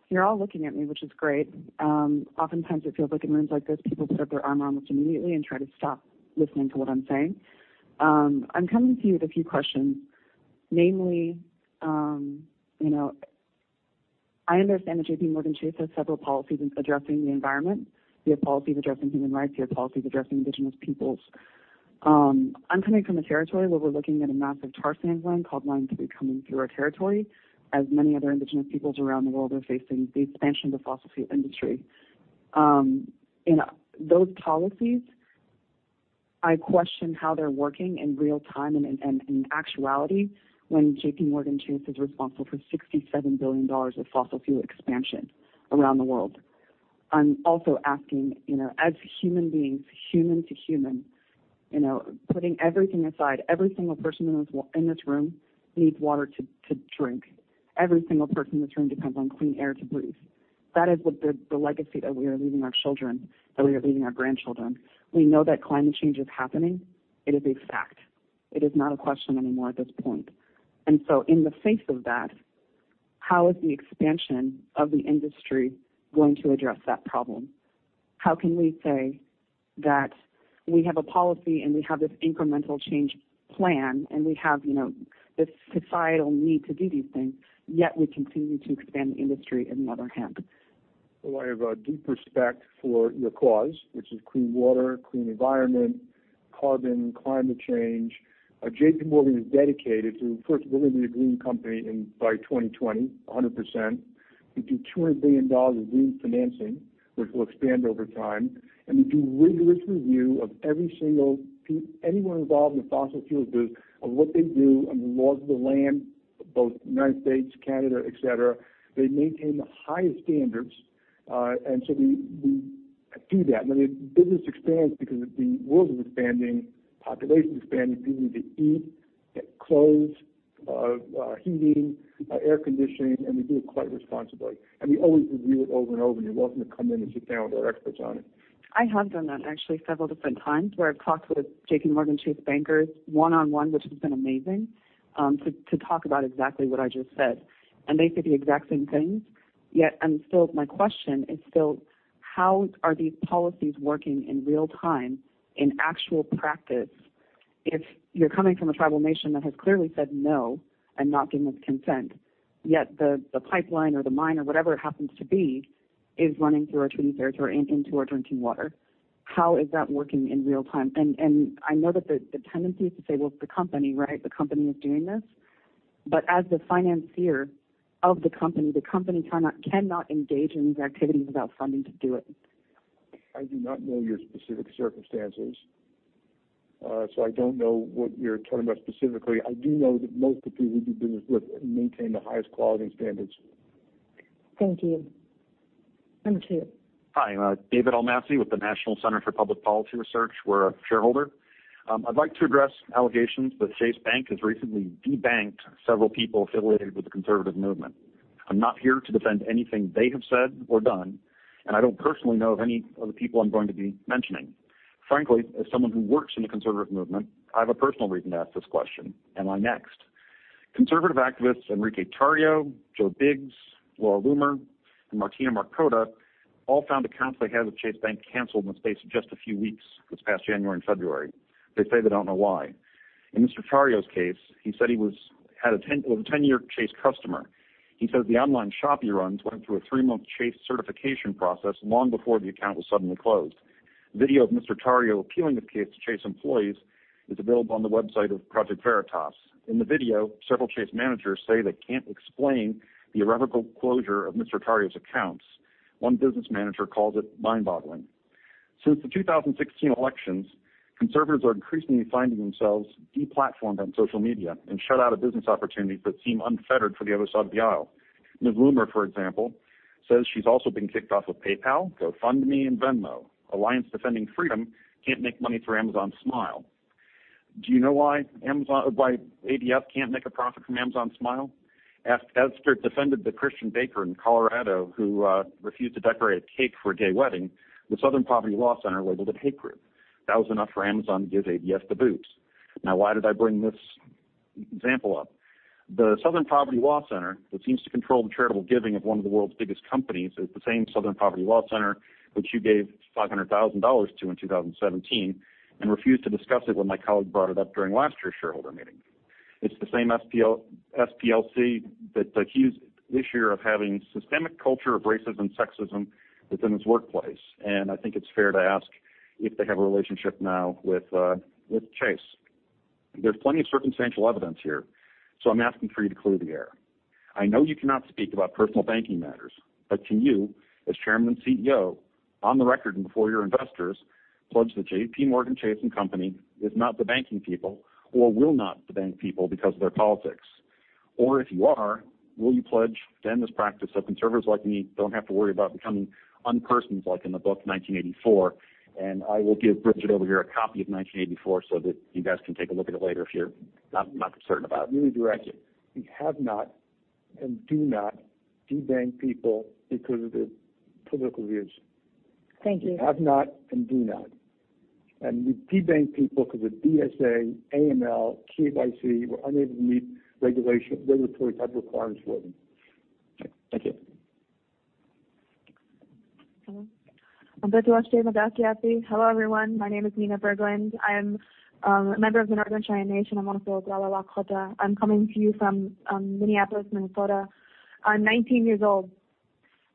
You're all looking at me, which is great. Oftentimes it feels like in rooms like this, people put their arm almost immediately and try to stop listening to what I'm saying. I'm coming to you with a few questions. Namely, I understand that JPMorgan Chase has several policies addressing the environment. You have policies addressing human rights, you have policies addressing indigenous peoples. I'm coming from a territory where we're looking at a massive tar sands line called Line 3 coming through our territory, as many other indigenous peoples around the world are facing the expansion of the fossil fuel industry. Those policies, I question how they're working in real time and in actuality, when JPMorgan Chase is responsible for $67 billion of fossil fuel expansion around the world. I'm also asking, as human beings, human to human, putting everything aside, every single person in this room needs water to drink. Every single person in this room depends on clean air to breathe. That is the legacy that we are leaving our children, that we are leaving our grandchildren. We know that climate change is happening. It is a fact. It is not a question anymore at this point. In the face of that, how is the expansion of the industry going to address that problem? How can we say that we have a policy and we have this incremental change plan, and we have this societal need to do these things, yet we continue to expand the industry in the other hand. Well, I have a deep respect for your cause, which is clean water, clean environment, carbon, climate change. JPMorgan is dedicated to, first of all, going to be a green company by 2020, 100%. We do $200 billion of green financing, which will expand over time, and we do rigorous review of anyone involved in the fossil fuel business of what they do on the laws of the land, both United States, Canada, et cetera. They maintain the highest standards. We do that. Business expands because the world is expanding, population is expanding. People need to eat, get clothes, heating, air conditioning, and we do it quite responsibly. We always review it over and over, and you're welcome to come in and sit down with our experts on it. I have done that actually several different times, where I've talked with JPMorgan Chase bankers one-on-one, which has been amazing, to talk about exactly what I just said. They say the exact same things. Still my question is still, how are these policies working in real time, in actual practice, if you're coming from a tribal nation that has clearly said no and not given its consent, yet the pipeline or the mine or whatever it happens to be is running through our treaty territory and into our drinking water. How is that working in real time? I know that the tendency is to say, well, it's the company, right? The company is doing this. As the financier of the company, the company cannot engage in these activities without funding to do it. I do not know your specific circumstances. I don't know what you're talking about specifically. I do know that most of the people we do business with maintain the highest quality and standards. Thank you. Thank you. Hi, David Almasi with the National Center for Public Policy Research. We're a shareholder. I'd like to address allegations that Chase Bank has recently de-banked several people affiliated with the conservative movement. I'm not here to defend anything they have said or done, and I don't personally know of any of the people I'm going to be mentioning. Frankly, as someone who works in the conservative movement, I have a personal reason to ask this question, am I next? Conservative activists Enrique Tarrio, Joe Biggs, Laura Loomer, and Martina Markota all found accounts they had with Chase Bank canceled in the space of just a few weeks this past January and February. They say they don't know why. In Mr. Tarrio's case, he said he was a 10-year Chase customer. He says the online shop he runs went through a three-month Chase certification process long before the account was suddenly closed. Video of Mr. Tarrio appealing the case to Chase employees is available on the website of Project Veritas. In the video, several Chase managers say they can't explain the irrevocable closure of Mr. Tarrio's accounts. One business manager calls it mind-boggling. Since the 2016 elections, conservatives are increasingly finding themselves de-platformed on social media and shut out of business opportunities that seem unfettered for the other side of the aisle. Ms. Loomer, for example, says she's also been kicked off of PayPal, GoFundMe, and Venmo. Alliance Defending Freedom can't make money through AmazonSmile. Do you know why ADF can't make a profit from AmazonSmile? After it defended the Christian baker in Colorado who refused to decorate a cake for a gay wedding, the Southern Poverty Law Center labeled it a hate group. That was enough for Amazon to give ADF the boot. Why did I bring this example up? The Southern Poverty Law Center, that seems to control the charitable giving of one of the world's biggest companies, is the same Southern Poverty Law Center which you gave $500,000 to in 2017 and refused to discuss it when my colleague brought it up during last year's shareholder meeting. It's the same SPLC that accused this year of having systemic culture of racism, sexism within its workplace. I think it's fair to ask if they have a relationship now with Chase. There's plenty of circumstantial evidence here. I'm asking for you to clear the air. I know you cannot speak about personal banking matters, can you, as Chairman and CEO, on the record and before your investors, pledge that JPMorgan Chase and Company is not de-banking people or will not de-bank people because of their politics? If you are, will you pledge to end this practice so conservatives like me don't have to worry about becoming unpersons like in the book "1984." I will give Bridget over here a copy of "1984" so that you guys can take a look at it later if you're not concerned about it. Thank you. Let me direct you. We have not and do not de-bank people because of their political views. Thank you. Have not and do not. We de-bank people because of BSA, AML, KYC, we're unable to meet regulatory type requirements for them. Okay. Thank you. Hello, everyone. My name is Nina Berglund. I am a member of the Northern Cheyenne Nation. I'm also Oglala Lakota. I'm coming to you from Minneapolis, Minnesota. I'm 19 years old,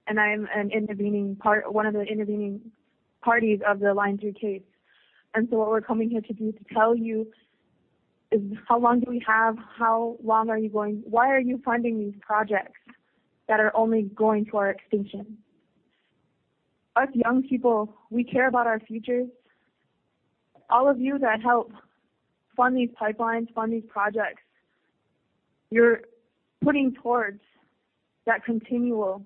I am one of the intervening parties of the Line 3 case. What we're coming here to do is to tell you is how long do we have? Why are you funding these projects that are only going to our extinction? Us young people, we care about our futures. All of you that help fund these pipelines, fund these projects, you're putting towards that continual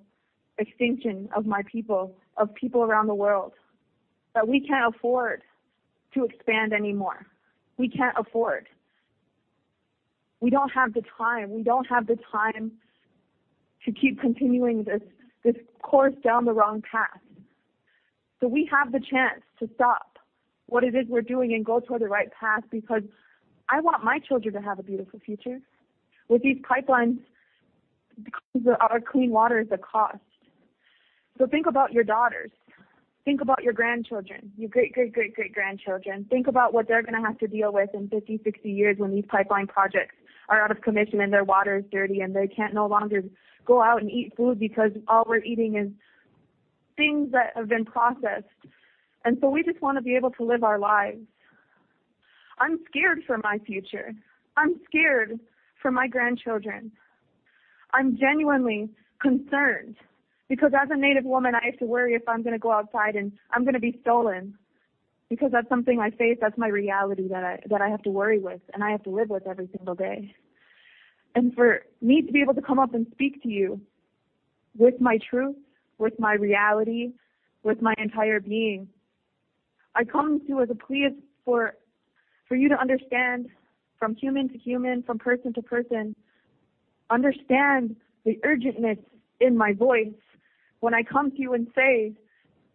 extinction of my people, of people around the world, that we can't afford to expand anymore. We can't afford. We don't have the time. We don't have the time to keep continuing this course down the wrong path. We have the chance to stop what it is we're doing and go toward the right path because I want my children to have a beautiful future. With these pipelines, our clean water is at cost. Think about your daughters. Think about your grandchildren, your great-great-great-great-grandchildren. Think about what they're going to have to deal with in 50, 60 years when these pipeline projects are out of commission and their water is dirty, and they can no longer go out and eat food because all we're eating is things that have been processed. We just want to be able to live our lives. I'm scared for my future. I'm scared for my grandchildren. I'm genuinely concerned because as a Native woman, I have to worry if I'm going to go outside and I'm going to be stolen. That's something I face, that's my reality that I have to worry with, and I have to live with every single day. For me to be able to come up and speak to you with my truth, with my reality, with my entire being, I come to you as a plea for you to understand from human to human, from person to person, understand the urgentness in my voice when I come to you and say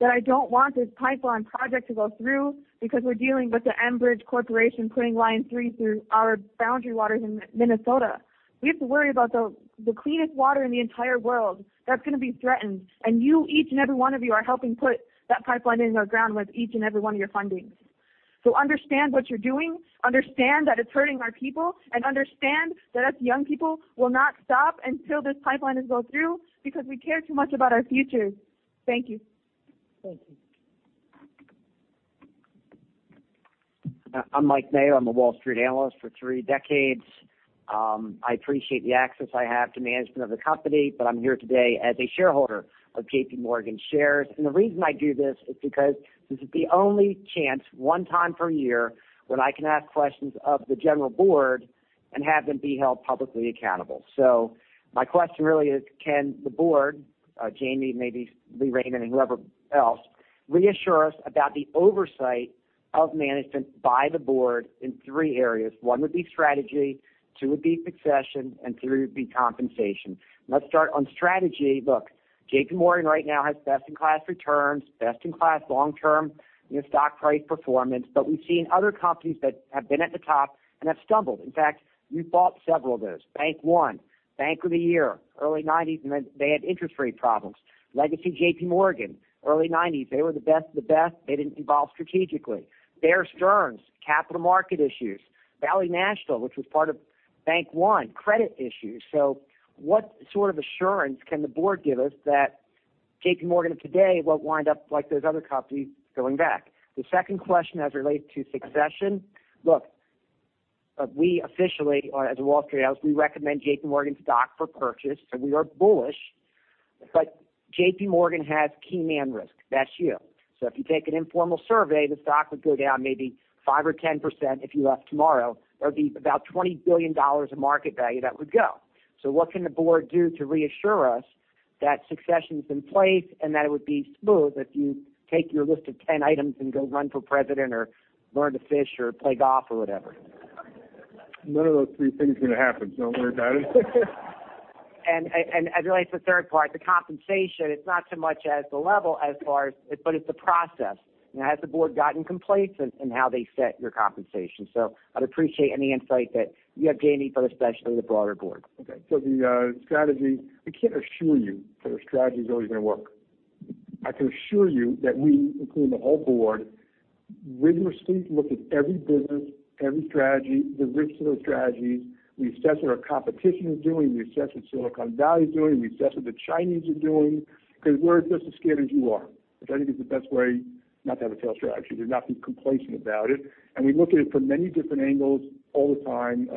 that I don't want this pipeline project to go through because we're dealing with the Enbridge Inc. putting Line 3 through our boundary waters in Minnesota. We have to worry about the cleanest water in the entire world that's going to be threatened. You, each and every one of you, are helping put that pipeline in our ground with each and every one of your fundings. Understand what you're doing, understand that it's hurting our people, and understand that us young people will not stop until this pipeline is gone through because we care too much about our futures. Thank you. Thank you. I'm Mike Mayo. I'm a Wall Street analyst for three decades. I appreciate the access I have to management of the company, but I'm here today as a shareholder of JPMorgan shares. The reason I do this is because this is the only chance, one time per year, when I can ask questions of the general board and have them be held publicly accountable. My question really is, can the board, Jamie, maybe Lee Raymond, and whoever else, reassure us about the oversight of management by the board in three areas? One would be strategy, two would be succession, and three would be compensation. Let's start on strategy. Look, JPMorgan right now has best-in-class returns, best-in-class long-term stock price performance. We've seen other companies that have been at the top and have stumbled. In fact, we've bought several of those. Bank One, bank of the year, early 90s, then they had interest rate problems. Legacy JPMorgan, early 90s. They were the best of the best. They didn't evolve strategically. Bear Stearns, capital market issues. Valley National, which was part of Bank One, credit issues. What sort of assurance can the board give us that JPMorgan of today won't wind up like those other companies going back? The second question as it relates to succession. Look, we officially, as a Wall Street house, we recommend JPMorgan's stock for purchase. We are bullish, but JPMorgan has key man risk. That's you. If you take an informal survey, the stock would go down maybe five or 10% if you left tomorrow. That would be about $20 billion of market value that would go. What can the board do to reassure us that succession's in place and that it would be smooth if you take your list of 10 items and go run for president or learn to fish or play golf or whatever? None of those three things are going to happen, don't worry about it. As it relates to the third part, the compensation, it's not so much as the level as far as, but it's the process. Now, has the board gotten complaints in how they set your compensation? I'd appreciate any insight that you have, Jamie, but especially the broader board. Okay. The strategy, I can't assure you that our strategy is always going to work. I can assure you that we, including the whole board, rigorously look at every business, every strategy, the risks of those strategies. We assess what our competition is doing. We assess what Silicon Valley is doing. We assess what the Chinese are doing because we're just as scared as you are. I think it's the best way not to have a tail strategy, to not be complacent about it. We look at it from many different angles all the time.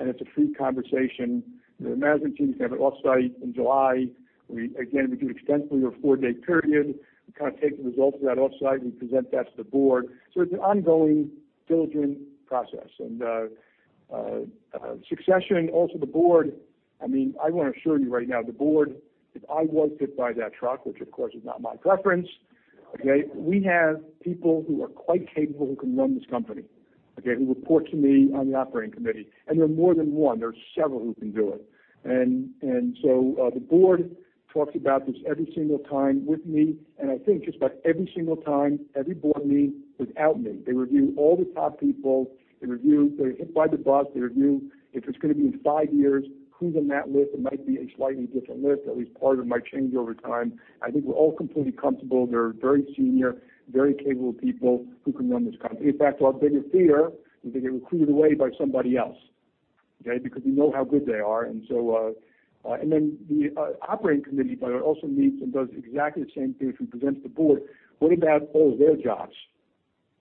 It's a free conversation. The management teams have an offsite in July. Again, we do extensively, over a four-day period. We kind of take the results of that offsite, and we present that to the board. It's an ongoing, diligent process. Succession, also the board, I mean, I want to assure you right now, the board, if I was hit by that truck, which of course is not my preference. Okay. We have people who are quite capable who can run this company, okay, who report to me on the operating committee, and there are more than one. There are several who can do it. The board talks about this every single time with me, and I think just about every single time, every board meeting without me. They review all the top people. They hit by the bus. They review if it's going to be in five years, who's on that list. It might be a slightly different list, at least part of it might change over time. I think we're all completely comfortable. They're very senior, very capable people who can run this company. In fact, our biggest fear is they get recruited away by somebody else. Okay? Because we know how good they are. Then the operating committee also meets and does exactly the same thing. It presents the board. What about all their jobs?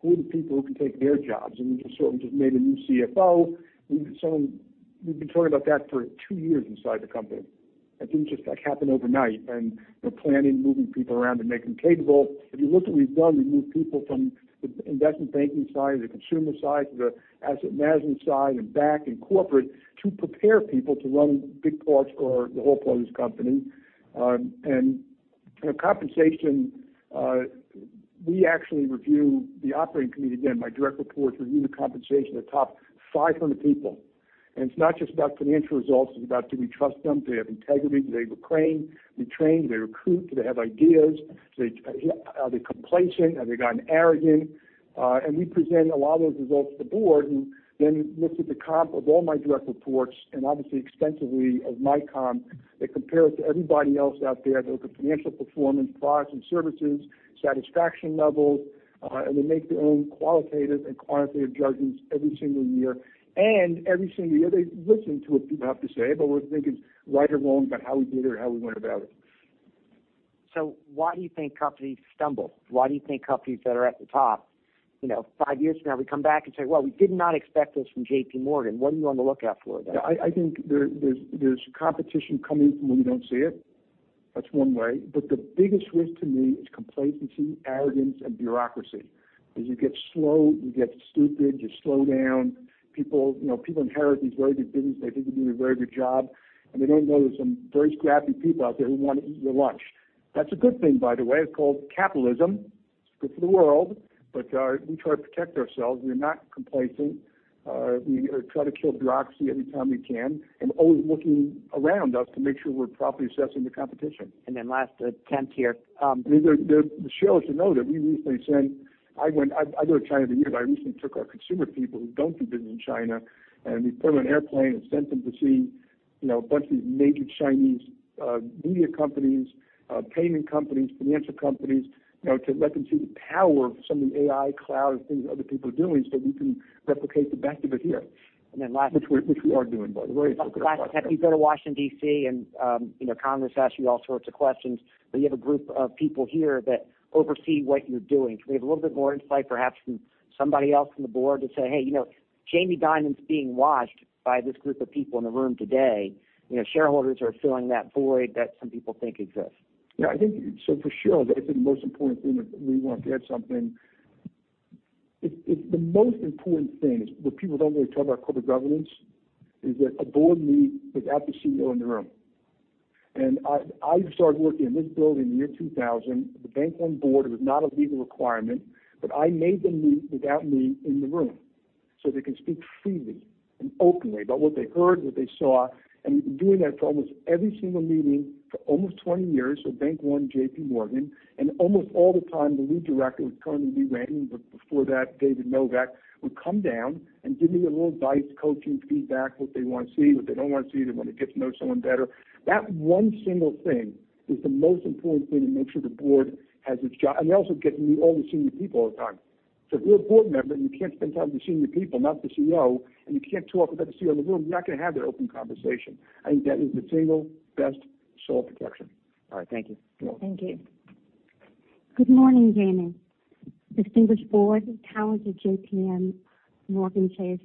Who are the people who can take their jobs? We just certainly just made a new CFO. We've been talking about that for two years inside the company. That didn't just happen overnight. We're planning, moving people around to make them capable. If you look what we've done, we've moved people from the investment banking side, the consumer side to the asset management side, and back in corporate to prepare people to run big parts or the whole parts of this company. Compensation, we actually review, the operating committee, again, my direct reports, review the compensation of the top 500 people. It's not just about financial results, it's about do we trust them? Do they have integrity? Do they complain? We train. Do they recruit? Do they have ideas? Are they complacent? Have they gotten arrogant? We present a lot of those results to the board, and then look at the comp of all my direct reports and obviously extensively of my comp. They compare it to everybody else out there. They look at financial performance, products and services, satisfaction levels, and they make their own qualitative and quantitative judgments every single year. Every single year, they listen to what people have to say about what they think is right or wrong about how we did or how we went about it. Why do you think companies stumble? Why do you think companies that are at the top, five years from now, we come back and say, "Well, we did not expect this from JPMorgan." What are you on the lookout for there? Yeah. I think there's competition coming from when you don't see it. That's one way. The biggest risk to me is complacency, arrogance, and bureaucracy. You get slow, you get stupid, you slow down. People inherit these very good businesses. They think they're doing a very good job, they don't know there's some very scrappy people out there who want to eat your lunch. That's a good thing, by the way. It's called capitalism. It's good for the world, we try to protect ourselves. We're not complacent. We try to kill bureaucracy any time we can, always looking around us to make sure we're properly assessing the competition. Last, Ken, to you. The shareholders should know that I go to China every year, but I recently took our consumer people who don't do business in China, and we put them on an airplane and sent them to see a bunch of these native Chinese media companies, payment companies, financial companies, to let them see the power of some of the AI cloud and things other people are doing so we can replicate the best of it here. Lastly. Which we are doing, by the way. Okay. Last, you go to Washington, D.C., and Congress asks you all sorts of questions, but you have a group of people here that oversee what you're doing. Can we have a little bit more insight, perhaps from somebody else on the board to say, hey, Jamie Dimon's being watched by this group of people in the room today. Shareholders are filling that void that some people think exists. I think the most important thing, if we want to add something. The most important thing is, where people don't really talk about corporate governance, is that a board meet without the CEO in the room. I started working in this building in the year 2000. The Bank One board, it was not a legal requirement, but I made them meet without me in the room so they can speak freely and openly about what they heard, what they saw. We've been doing that for almost every single meeting for almost 20 years. Bank One, JPMorgan, and almost all the time, the lead director was currently Lee Raymond, but before that, David Novak, would come down and give me a little advice, coaching, feedback, what they want to see, what they don't want to see. They want to get to know someone better. That one single thing is the most important thing to make sure the board has its job. They also get to meet all the senior people all the time. If you're a board member and you can't spend time with the senior people, not the CEO, and you can't talk without the CEO in the room, you're not going to have that open conversation. I think that is the single best sole protection. All right. Thank you. You're welcome. Thank you. Good morning, Jamie, distinguished board, talented JPMorgan Chase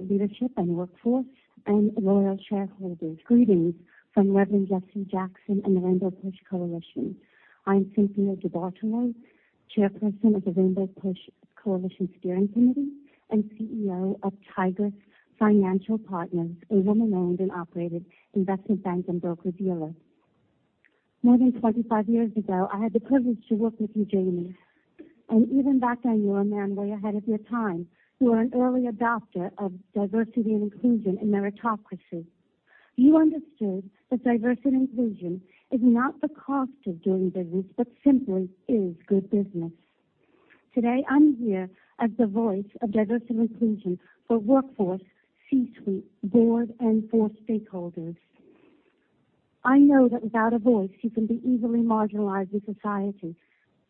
leadership and workforce, and loyal shareholders. Greetings from Reverend Jesse Jackson and the Rainbow PUSH Coalition. I'm Cynthia DiBartolo, Chairperson of the Rainbow PUSH Coalition Steering Committee, and CEO of Tigress Financial Partners, a woman-owned and operated investment bank and broker-dealer. More than 25 years ago, I had the privilege to work with you, Jamie, and even back then, you were a man way ahead of your time. You were an early adopter of diversity and inclusion and meritocracy. You understood that diversity and inclusion is not the cost of doing business, but simply is good business. Today, I'm here as the voice of diversity and inclusion for workforce, C-suite, board, and for stakeholders. I know that without a voice, you can be easily marginalized in society.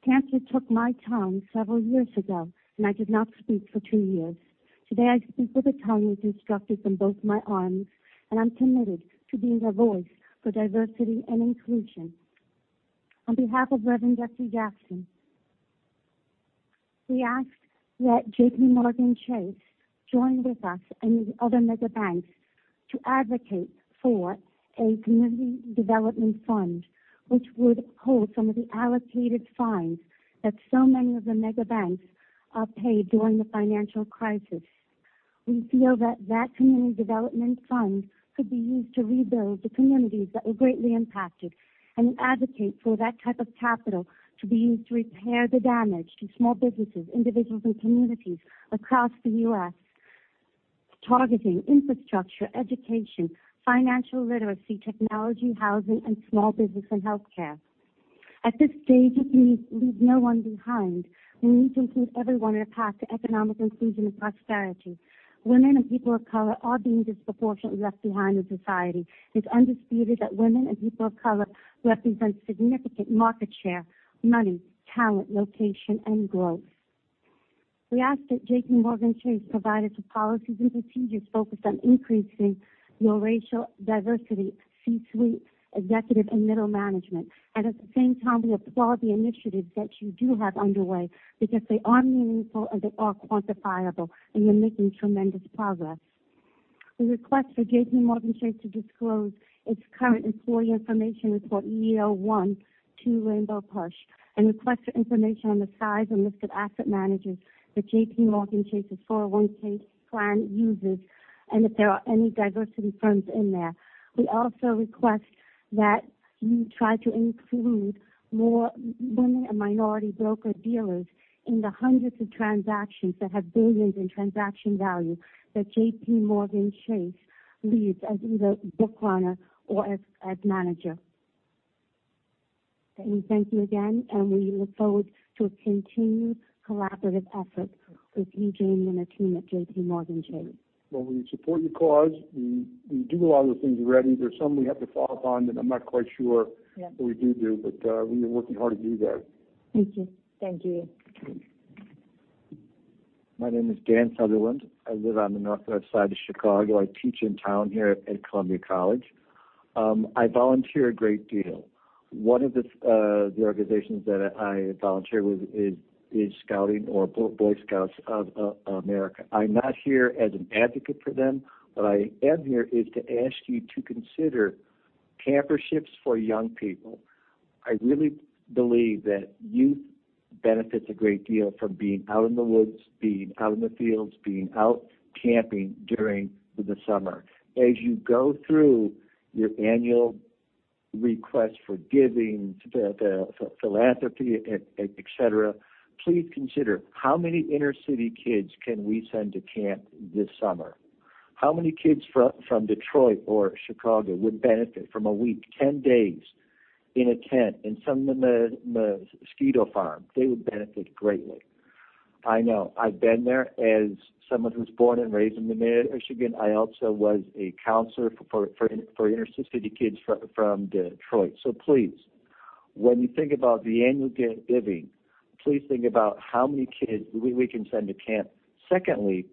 Cancer took my tongue several years ago, and I did not speak for two years. Today, I speak with a tongue reconstructed from both my arms, and I'm committed to being a voice for diversity and inclusion. On behalf of Reverend Jesse Jackson, we ask that JPMorgan Chase join with us and the other mega banks to advocate for a community development fund, which would hold some of the allocated fines that so many of the mega banks paid during the financial crisis. We feel that that community development fund could be used to rebuild the communities that were greatly impacted and advocate for that type of capital to be used to repair the damage to small businesses, individuals, and communities across the U.S., targeting infrastructure, education, financial literacy, technology, housing, and small business and healthcare. At this stage, it means leave no one behind. We need to include everyone in a path to economic inclusion and prosperity. Women and people of color are being disproportionately left behind in society. It's undisputed that women and people of color represent significant market share, money, talent, location, and growth. We ask that JPMorgan Chase provide us with policies and procedures focused on increasing your racial diversity C-suite, executive, and middle management. At the same time, we applaud the initiatives that you do have underway because they are meaningful and they are quantifiable, and you're making tremendous progress. We request for JPMorgan Chase to disclose its current employee information report EEO-1 to Rainbow PUSH and request for information on the size and list of asset managers that JPMorgan Chase's 401(k) plan uses and if there are any diversity firms in there. We also request that you try to include more women and minority broker-dealers in the hundreds of transactions that have $billions in transaction value that JPMorgan Chase leads as either book runner or as manager. We thank you again, and we look forward to a continued collaborative effort with you, Jamie, and the team at JPMorgan Chase. Well, we support your cause. We do a lot of the things already. There's some we have to follow up on that I'm not quite sure. Yeah That we do, but we are working hard to do that. Thank you. Thank you. Okay. My name is Dan Sutherland. I live on the northwest side of Chicago. I teach in town here at Columbia College. I volunteer a great deal. One of the organizations that I volunteer with is Scouting or Boy Scouts of America. I'm not here as an advocate for them. What I am here is to ask you to consider camperships for young people. I really believe that youth benefits a great deal from being out in the woods, being out in the fields, being out camping during the summer. As you go through your annual request for giving, the philanthropy, et cetera, please consider how many inner city kids can we send to camp this summer. How many kids from Detroit or Chicago would benefit from a week, 10 days in a tent in some of the mosquito farms? They would benefit greatly. I know. I've been there. As someone who was born and raised in Detroit, Michigan, I also was a counselor for inner city kids from Detroit. Please, when you think about the annual giving, please think about how many kids we can send to camp. Secondly,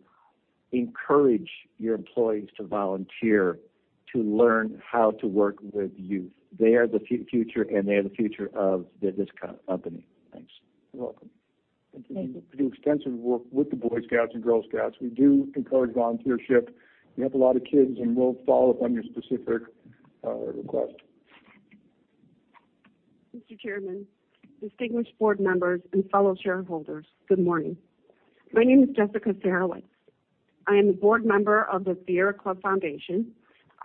encourage your employees to volunteer to learn how to work with youth. They are the future, and they are the future of this company. Thanks. You're welcome. Thank you. We do extensive work with the Boy Scouts and Girl Scouts. We do encourage volunteership. We have a lot of kids, and we'll follow up on your specific request. Mr. Chairman, distinguished board members, and fellow shareholders, good morning. My name is Jessica Sarewitz. I am a board member of The Sierra Club Foundation.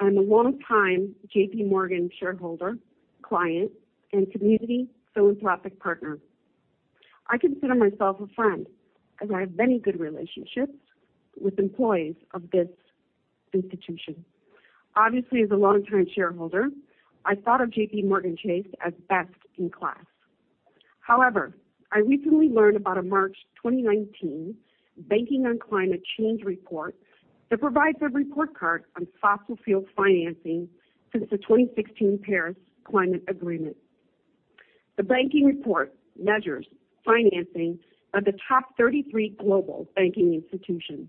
I'm a longtime JPMorgan shareholder, client, and community philanthropic partner. I consider myself a friend, as I have many good relationships with employees of this institution. Obviously, as a long-term shareholder, I thought of JPMorgan Chase as best in class. However, I recently learned about a March 2019 Banking on Climate Change report that provides a report card on fossil fuel financing since the 2016 Paris Agreement. The banking report measures financing of the top 33 global banking institutions.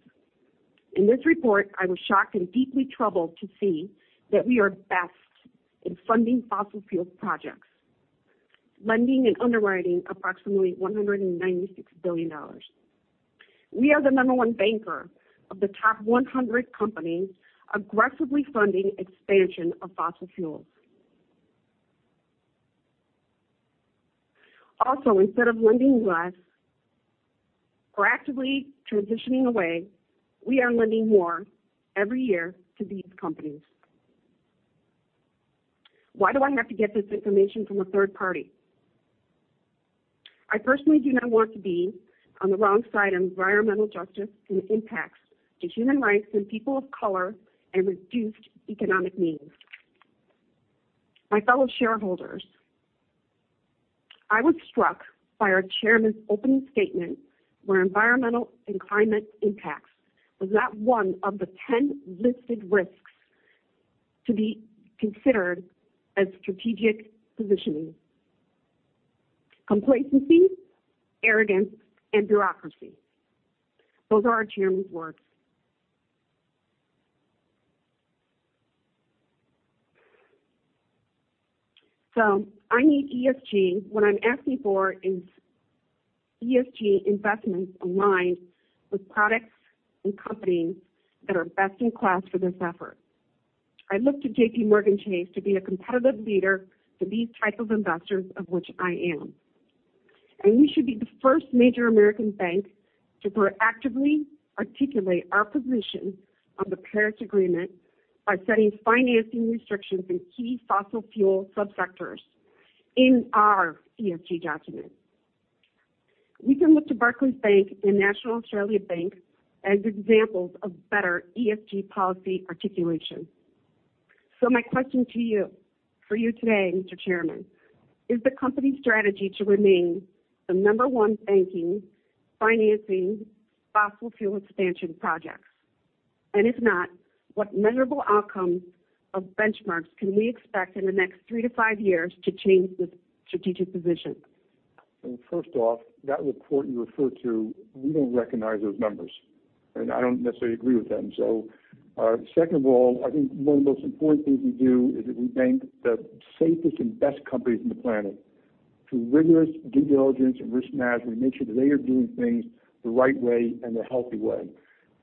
In this report, I was shocked and deeply troubled to see that we are best in funding fossil fuel projects, lending and underwriting approximately $196 billion. We are the number 1 banker of the top 100 companies aggressively funding expansion of fossil fuels. Instead of lending less or actively transitioning away, we are lending more every year to these companies. Why do I have to get this information from a third party? I personally do not want to be on the wrong side of environmental justice and impacts to human rights and people of color and reduced economic needs. My fellow shareholders, I was struck by our chairman's opening statement where environmental and climate impacts was not one of the 10 listed risks to be considered as strategic positioning. Complacency, arrogance, and bureaucracy. Those are our chairman's words. I need ESG. What I'm asking for is ESG investments aligned with products and companies that are best in class for this effort. I look to JPMorgan Chase to be a competitive leader to these type of investors of which I am. We should be the first major American bank to proactively articulate our position on the Paris Agreement by setting financing restrictions in key fossil fuel subsectors in our ESG document. We can look to Barclays Bank and National Australia Bank as examples of better ESG policy articulation. My question for you today, Mr. Chairman, is the company strategy to remain the number 1 banking financing fossil fuel expansion projects? If not, what measurable outcomes of benchmarks can we expect in the next three to five years to change this strategic position? First off, that report you referred to, we don't recognize those numbers, and I don't necessarily agree with them. Second of all, I think one of the most important things we do is that we bank the safest and best companies on the planet through rigorous due diligence and risk management. We make sure that they are doing things the right way and the healthy way.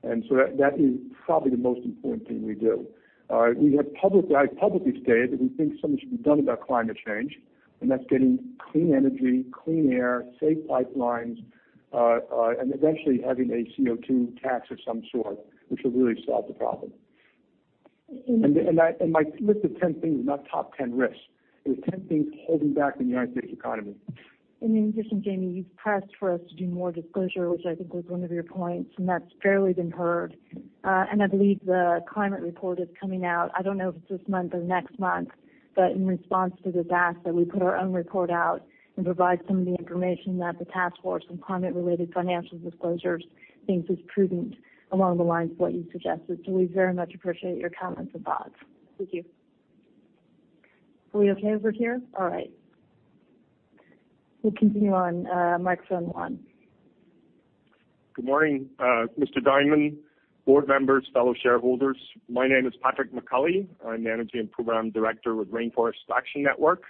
That is probably the most important thing we do. I publicly stated that we think something should be done about climate change, and that's getting clean energy, clean air, safe pipelines, and eventually having a CO2 tax of some sort, which would really solve the problem. My list of 10 things is not top 10 risks. It was 10 things holding back the U.S. economy. In addition, Jamie, you've pressed for us to do more disclosure, which I think was one of your points, and that's fairly been heard. I believe the climate report is coming out, I don't know if it's this month or next month, but in response to the TCFD, that we put our own report out and provide some of the information that the Task Force on Climate-related Financial Disclosures thinks is prudent along the lines of what you suggested. We very much appreciate your comments and thoughts. Thank you. Are we okay over here? All right. We'll continue on, Mike San Juan. Good morning, Mr. Dimon, board members, fellow shareholders. My name is Patrick McCully. I'm Managing Program Director with Rainforest Action Network,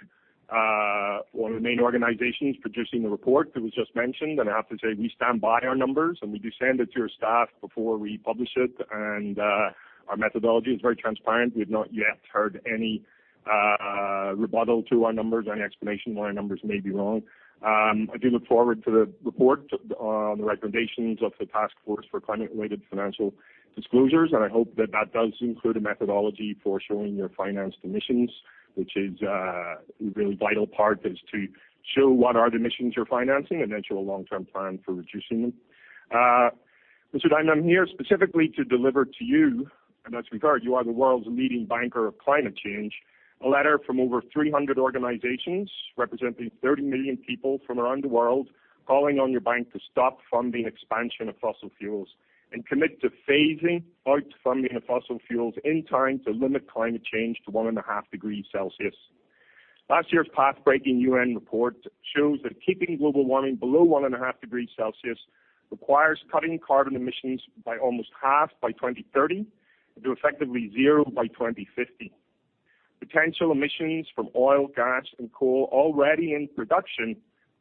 one of the main organizations producing the report that was just mentioned. I have to say, we stand by our numbers, and we do send it to your staff before we publish it. Our methodology is very transparent. We've not yet heard any rebuttal to our numbers, any explanation why our numbers may be wrong. I do look forward to the report on the recommendations of the Task Force on Climate-related Financial Disclosures, and I hope that that does include a methodology for showing your financed emissions, which is a really vital part, is to show what are the emissions you're financing and then show a long-term plan for reducing them. Mr. Dimon, I'm here specifically to deliver to you, in that regard, you are the world's leading banker of climate change, a letter from over 300 organizations representing 30 million people from around the world, calling on your bank to stop funding expansion of fossil fuels and commit to phasing out funding of fossil fuels in time to limit climate change to one and a half degrees Celsius. Last year's path-breaking UN report shows that keeping global warming below one and a half degrees Celsius requires cutting carbon emissions by almost half by 2030 and to effectively zero by 2050. Potential emissions from oil, gas, and coal already in production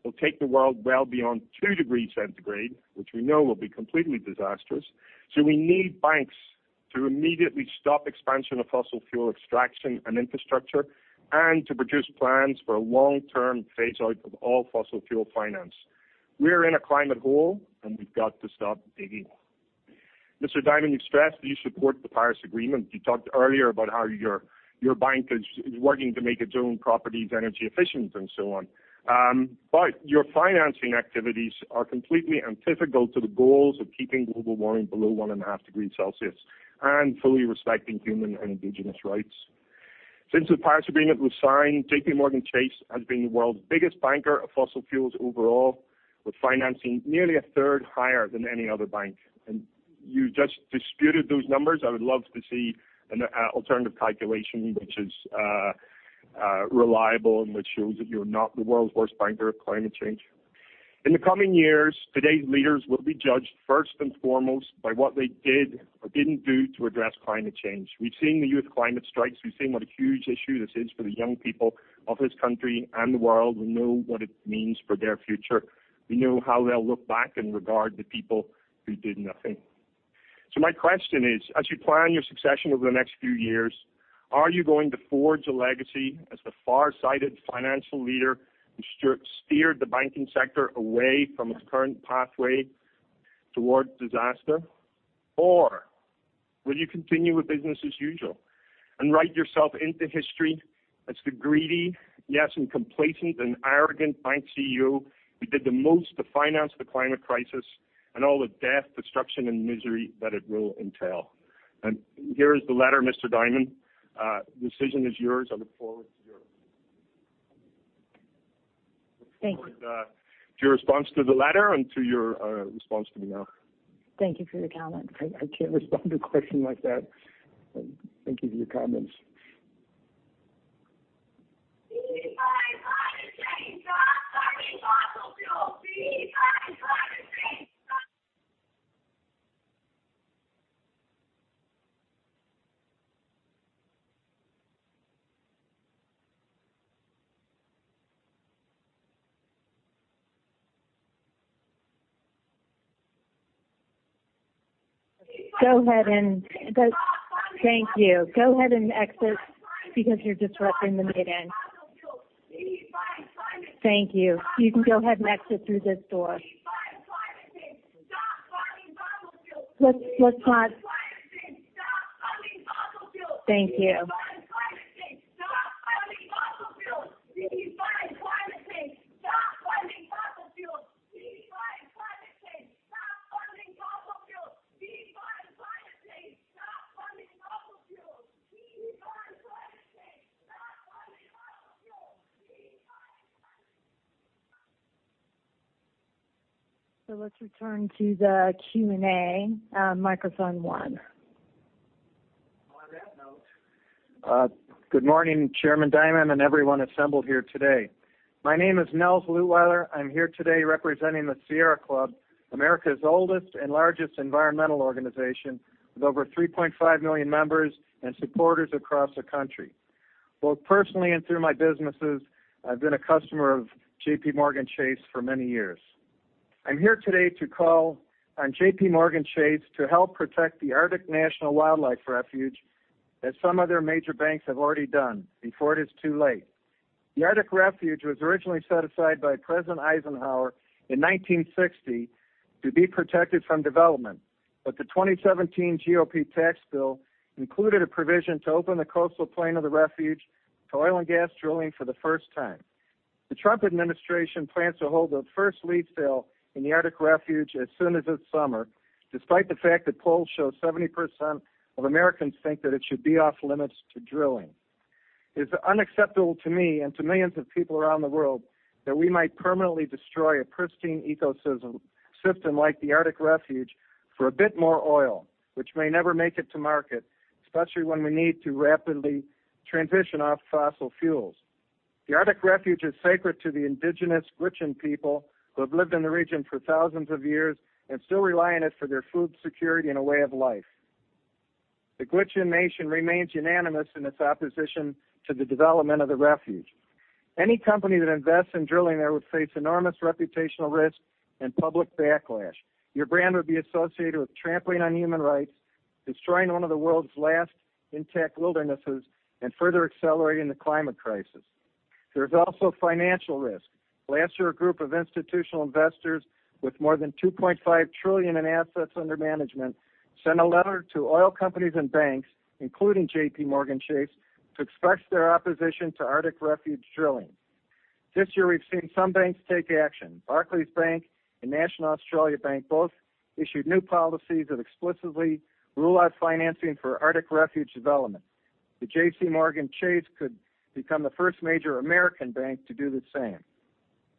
will take the world well beyond two degrees centigrade, which we know will be completely disastrous. We need banks to immediately stop expansion of fossil fuel extraction and infrastructure and to produce plans for a long-term phase out of all fossil fuel finance. We are in a climate hole, and we've got to stop digging. Mr. Dimon, you've stressed that you support the Paris Agreement. You talked earlier about how your bank is working to make its own properties energy efficient and so on. Your financing activities are completely antithetical to the goals of keeping global warming below one and a half degrees Celsius and fully respecting human and indigenous rights. Since the Paris Agreement was signed, JPMorgan Chase has been the world's biggest banker of fossil fuels overall, with financing nearly a third higher than any other bank. You just disputed those numbers. I would love to see an alternative calculation, which is reliable and which shows that you're not the world's worst banker of climate change. In the coming years, today's leaders will be judged first and foremost by what they did or didn't do to address climate change. We've seen the youth climate strikes. We've seen what a huge issue this is for the young people of this country and the world. We know what it means for their future. We know how they'll look back and regard the people who did nothing. My question is, as you plan your succession over the next few years, are you going to forge a legacy as the far-sighted financial leader who steered the banking sector away from its current pathway towards disaster? Will you continue with business as usual and write yourself into history as the greedy, yes, and complacent and arrogant bank CEO who did the most to finance the climate crisis and all the death, destruction, and misery that it will entail? Here is the letter, Mr. Dimon. The decision is yours. I look forward to your- Thank you. I look forward to your response to the letter and to your response to me now. Thank you for your comments. I can't respond to a question like that. Thank you for your comments. Go ahead. Thank you. Go ahead and exit because you're disrupting the meeting. Thank you. You can go ahead and exit through this door. Thank you. Let's return to the Q&A. Microphone one. On that note, good morning, Chairman Dimon, and everyone assembled here today. My name is Nels Leweller. I am here today representing the Sierra Club, America's oldest and largest environmental organization, with over 3.5 million members and supporters across the country. Both personally and through my businesses, I have been a customer of JPMorgan Chase for many years. I am here today to call on JPMorgan Chase to help protect the Arctic National Wildlife Refuge, as some other major banks have already done, before it is too late. The Arctic Refuge was originally set aside by President Eisenhower in 1960 to be protected from development, the 2017 GOP tax bill included a provision to open the coastal plain of the refuge to oil and gas drilling for the first time. The Trump administration plans to hold the first lease sale in the Arctic Refuge as soon as this summer, despite the fact that polls show 70% of Americans think that it should be off-limits to drilling. It is unacceptable to me and to millions of people around the world that we might permanently destroy a pristine ecosystem like the Arctic Refuge for a bit more oil, which may never make it to market, especially when we need to rapidly transition off fossil fuels. The Arctic Refuge is sacred to the indigenous Gwich'in people, who have lived in the region for thousands of years and still rely on it for their food security and a way of life. The Gwich'in nation remains unanimous in its opposition to the development of the refuge. Any company that invests in drilling there would face enormous reputational risk and public backlash. Your brand would be associated with trampling on human rights, destroying one of the world's last intact wildernesses, and further accelerating the climate crisis. There is also financial risk. Last year, a group of institutional investors with more than $2.5 trillion in assets under management, sent a letter to oil companies and banks, including JPMorgan Chase, to express their opposition to Arctic Refuge drilling. This year, we have seen some banks take action. Barclays Bank and National Australia Bank both issued new policies that explicitly rule out financing for Arctic Refuge development, JPMorgan Chase could become the first major American bank to do the same.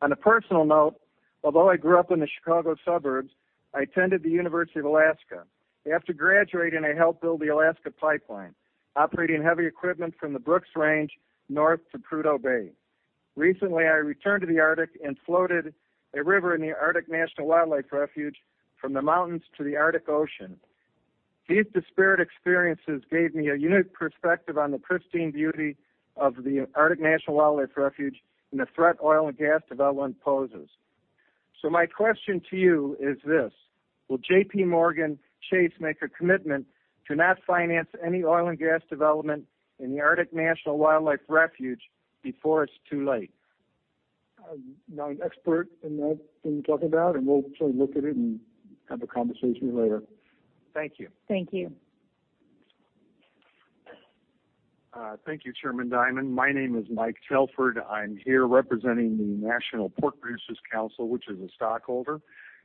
On a personal note, although I grew up in the Chicago suburbs, I attended the University of Alaska. After graduating, I helped build the Alaska Pipeline, operating heavy equipment from the Brooks Range north to Prudhoe Bay. Recently, I returned to the Arctic and floated a river in the Arctic National Wildlife Refuge from the mountains to the Arctic Ocean. These disparate experiences gave me a unique perspective on the pristine beauty of the Arctic National Wildlife Refuge and the threat oil and gas development poses. My question to you is this: Will JPMorgan Chase make a commitment to not finance any oil and gas development in the Arctic National Wildlife Refuge before it is too late? I'm not an expert in that, in what you're talking about, and we'll certainly look at it and have a conversation later. Thank you. Thank you. Thank you, Chairman Dimon. My name is Mike Telford. I'm here representing the National Pork Producers Council, which is a stockholder,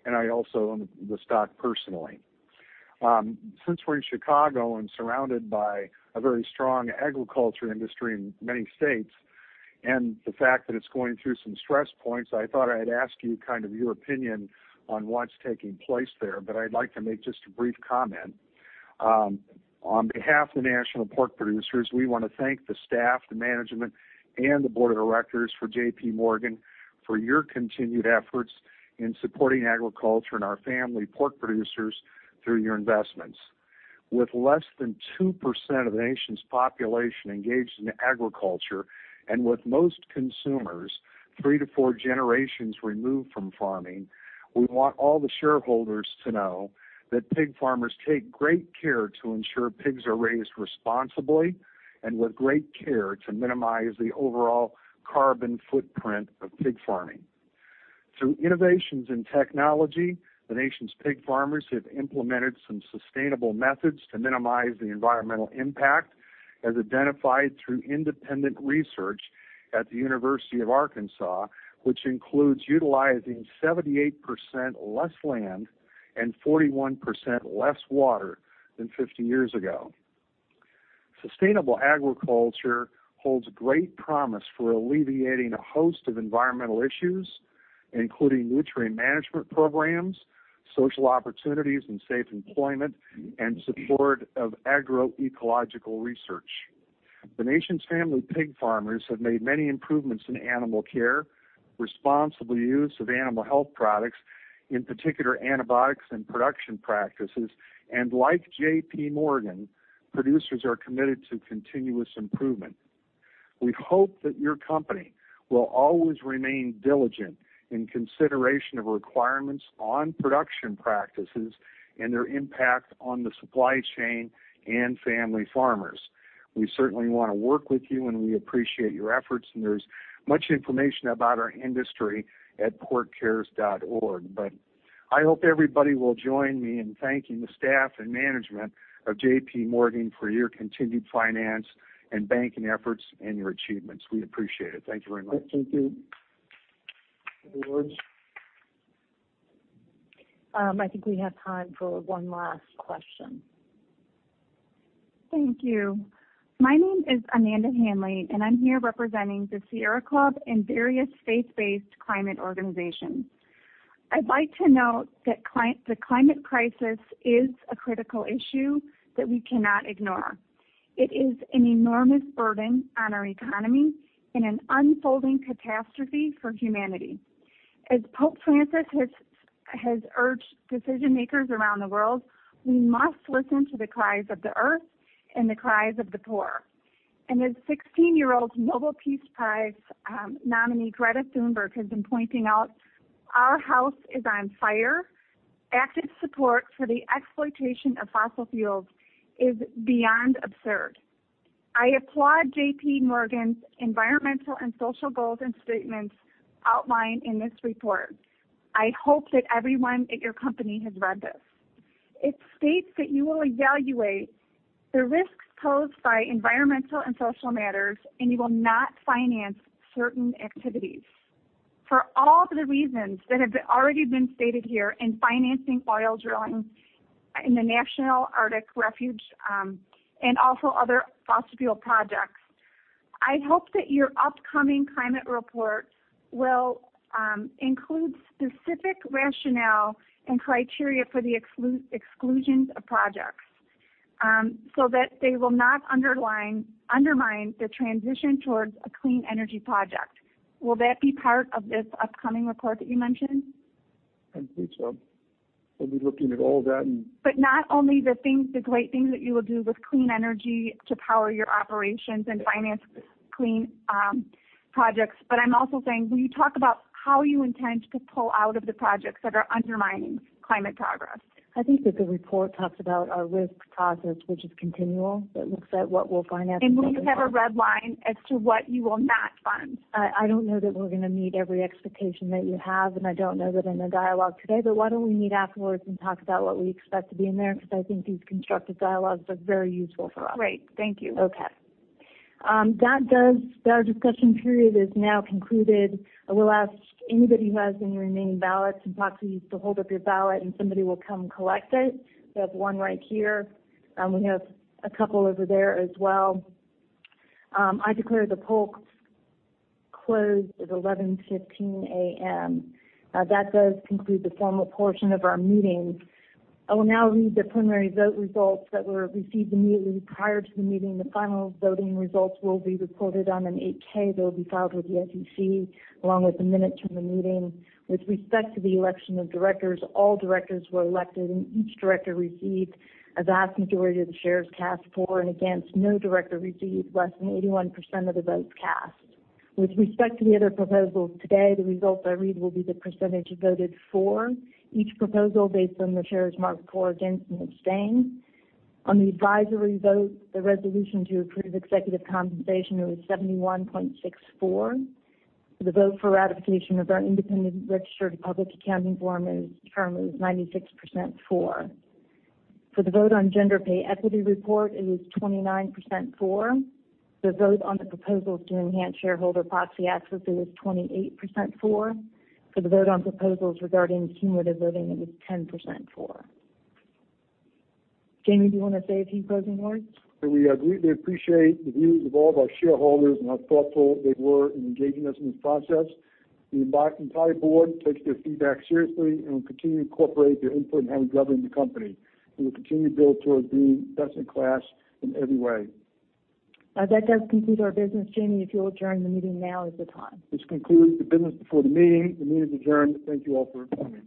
and I also own the stock personally. Since we're in Chicago and surrounded by a very strong agriculture industry in many states, and the fact that it's going through some stress points, I thought I'd ask you your opinion on what's taking place there. I'd like to make just a brief comment. On behalf of the National Pork Producers, we want to thank the staff, the management, and the board of directors for JPMorgan, for your continued efforts in supporting agriculture and our family pork producers through your investments. With less than 2% of the nation's population engaged in agriculture, and with most consumers three to four generations removed from farming, we want all the shareholders to know that pig farmers take great care to ensure pigs are raised responsibly, and with great care to minimize the overall carbon footprint of pig farming. Through innovations in technology, the nation's pig farmers have implemented some sustainable methods to minimize the environmental impact, as identified through independent research at the University of Arkansas, which includes utilizing 78% less land and 41% less water than 50 years ago. Sustainable agriculture holds great promise for alleviating a host of environmental issues, including nutrient management programs, social opportunities, and safe employment, and support of agroecological research. The nation's family pig farmers have made many improvements in animal care, responsible use of animal health products, in particular, antibiotics and production practices. Like JPMorgan, producers are committed to continuous improvement. We hope that your company will always remain diligent in consideration of requirements on production practices and their impact on the supply chain and family farmers. We certainly want to work with you, and we appreciate your efforts, and there's much information about our industry at porkcares.org. I hope everybody will join me in thanking the staff and management of JPMorgan for your continued finance and banking efforts and your achievements. We appreciate it. Thank you very much. Thank you. Any other words? I think we have time for one last question. Thank you. My name is Amanda Hanley, and I'm here representing the Sierra Club and various faith-based climate organizations. I'd like to note that the climate crisis is a critical issue that we cannot ignore. It is an enormous burden on our economy and an unfolding catastrophe for humanity. As Pope Francis has urged decision-makers around the world, we must listen to the cries of the earth and the cries of the poor. As 16-year-old Nobel Peace Prize nominee Greta Thunberg has been pointing out, our house is on fire. Active support for the exploitation of fossil fuels is beyond absurd. I applaud JPMorgan's environmental and social goals and statements outlined in this report. I hope that everyone at your company has read this. It states that you will evaluate the risks posed by environmental and social matters, and you will not finance certain activities. For all the reasons that have already been stated here in financing oil drilling in the National Arctic Refuge, and also other fossil fuel projects, I hope that your upcoming climate report will include specific rationale and criteria for the exclusions of projects, so that they will not undermine the transition towards a clean energy project. Will that be part of this upcoming report that you mentioned? I think so. We'll be looking at all of that and- Not only the great things that you will do with clean energy to power your operations and finance clean projects, but I'm also saying, will you talk about how you intend to pull out of the projects that are undermining climate progress? I think that the report talks about our risk process, which is continual. It looks at what we'll finance- Will you have a red line as to what you will not fund? I don't know that we're going to meet every expectation that you have, and I don't know that in a dialogue today, but why don't we meet afterwards and talk about what we expect to be in there? I think these constructive dialogues are very useful for us. Great. Thank you. Okay. Our discussion period is now concluded. I will ask anybody who has any remaining ballots and proxies to hold up your ballot, and somebody will come collect it. We have one right here. We have a couple over there as well. I declare the poll closed at 11:15 A.M. That does conclude the formal portion of our meeting. I will now read the preliminary vote results that were received immediately prior to the meeting. The final voting results will be reported on an 8-K that will be filed with the SEC, along with the minutes from the meeting. With respect to the election of directors, all directors were elected, and each director received a vast majority of the shares cast for and against. No director received less than 81% of the votes cast. With respect to the other proposals today, the results I read will be the percentage who voted for each proposal based on the shares marked for, against, and abstain. On the advisory vote, the resolution to approve executive compensation, it was 71.64%. For the vote for ratification of our independent registered public accounting firm is currently 96% for. For the vote on gender pay equity report, it is 29% for. The vote on the proposals to enhance shareholder proxy access, it was 28% for. For the vote on proposals regarding cumulative voting, it was 10% for. Jamie, do you want to say a few closing words? We greatly appreciate the views of all of our shareholders and how thoughtful they were in engaging us in this process. The entire board takes their feedback seriously and will continue to incorporate their input in how we govern the company. We will continue to build towards being best in class in every way. That does conclude our business. Jamie, if you'll adjourn the meeting, now is the time. This concludes the business before the meeting. The meeting's adjourned. Thank you all for coming.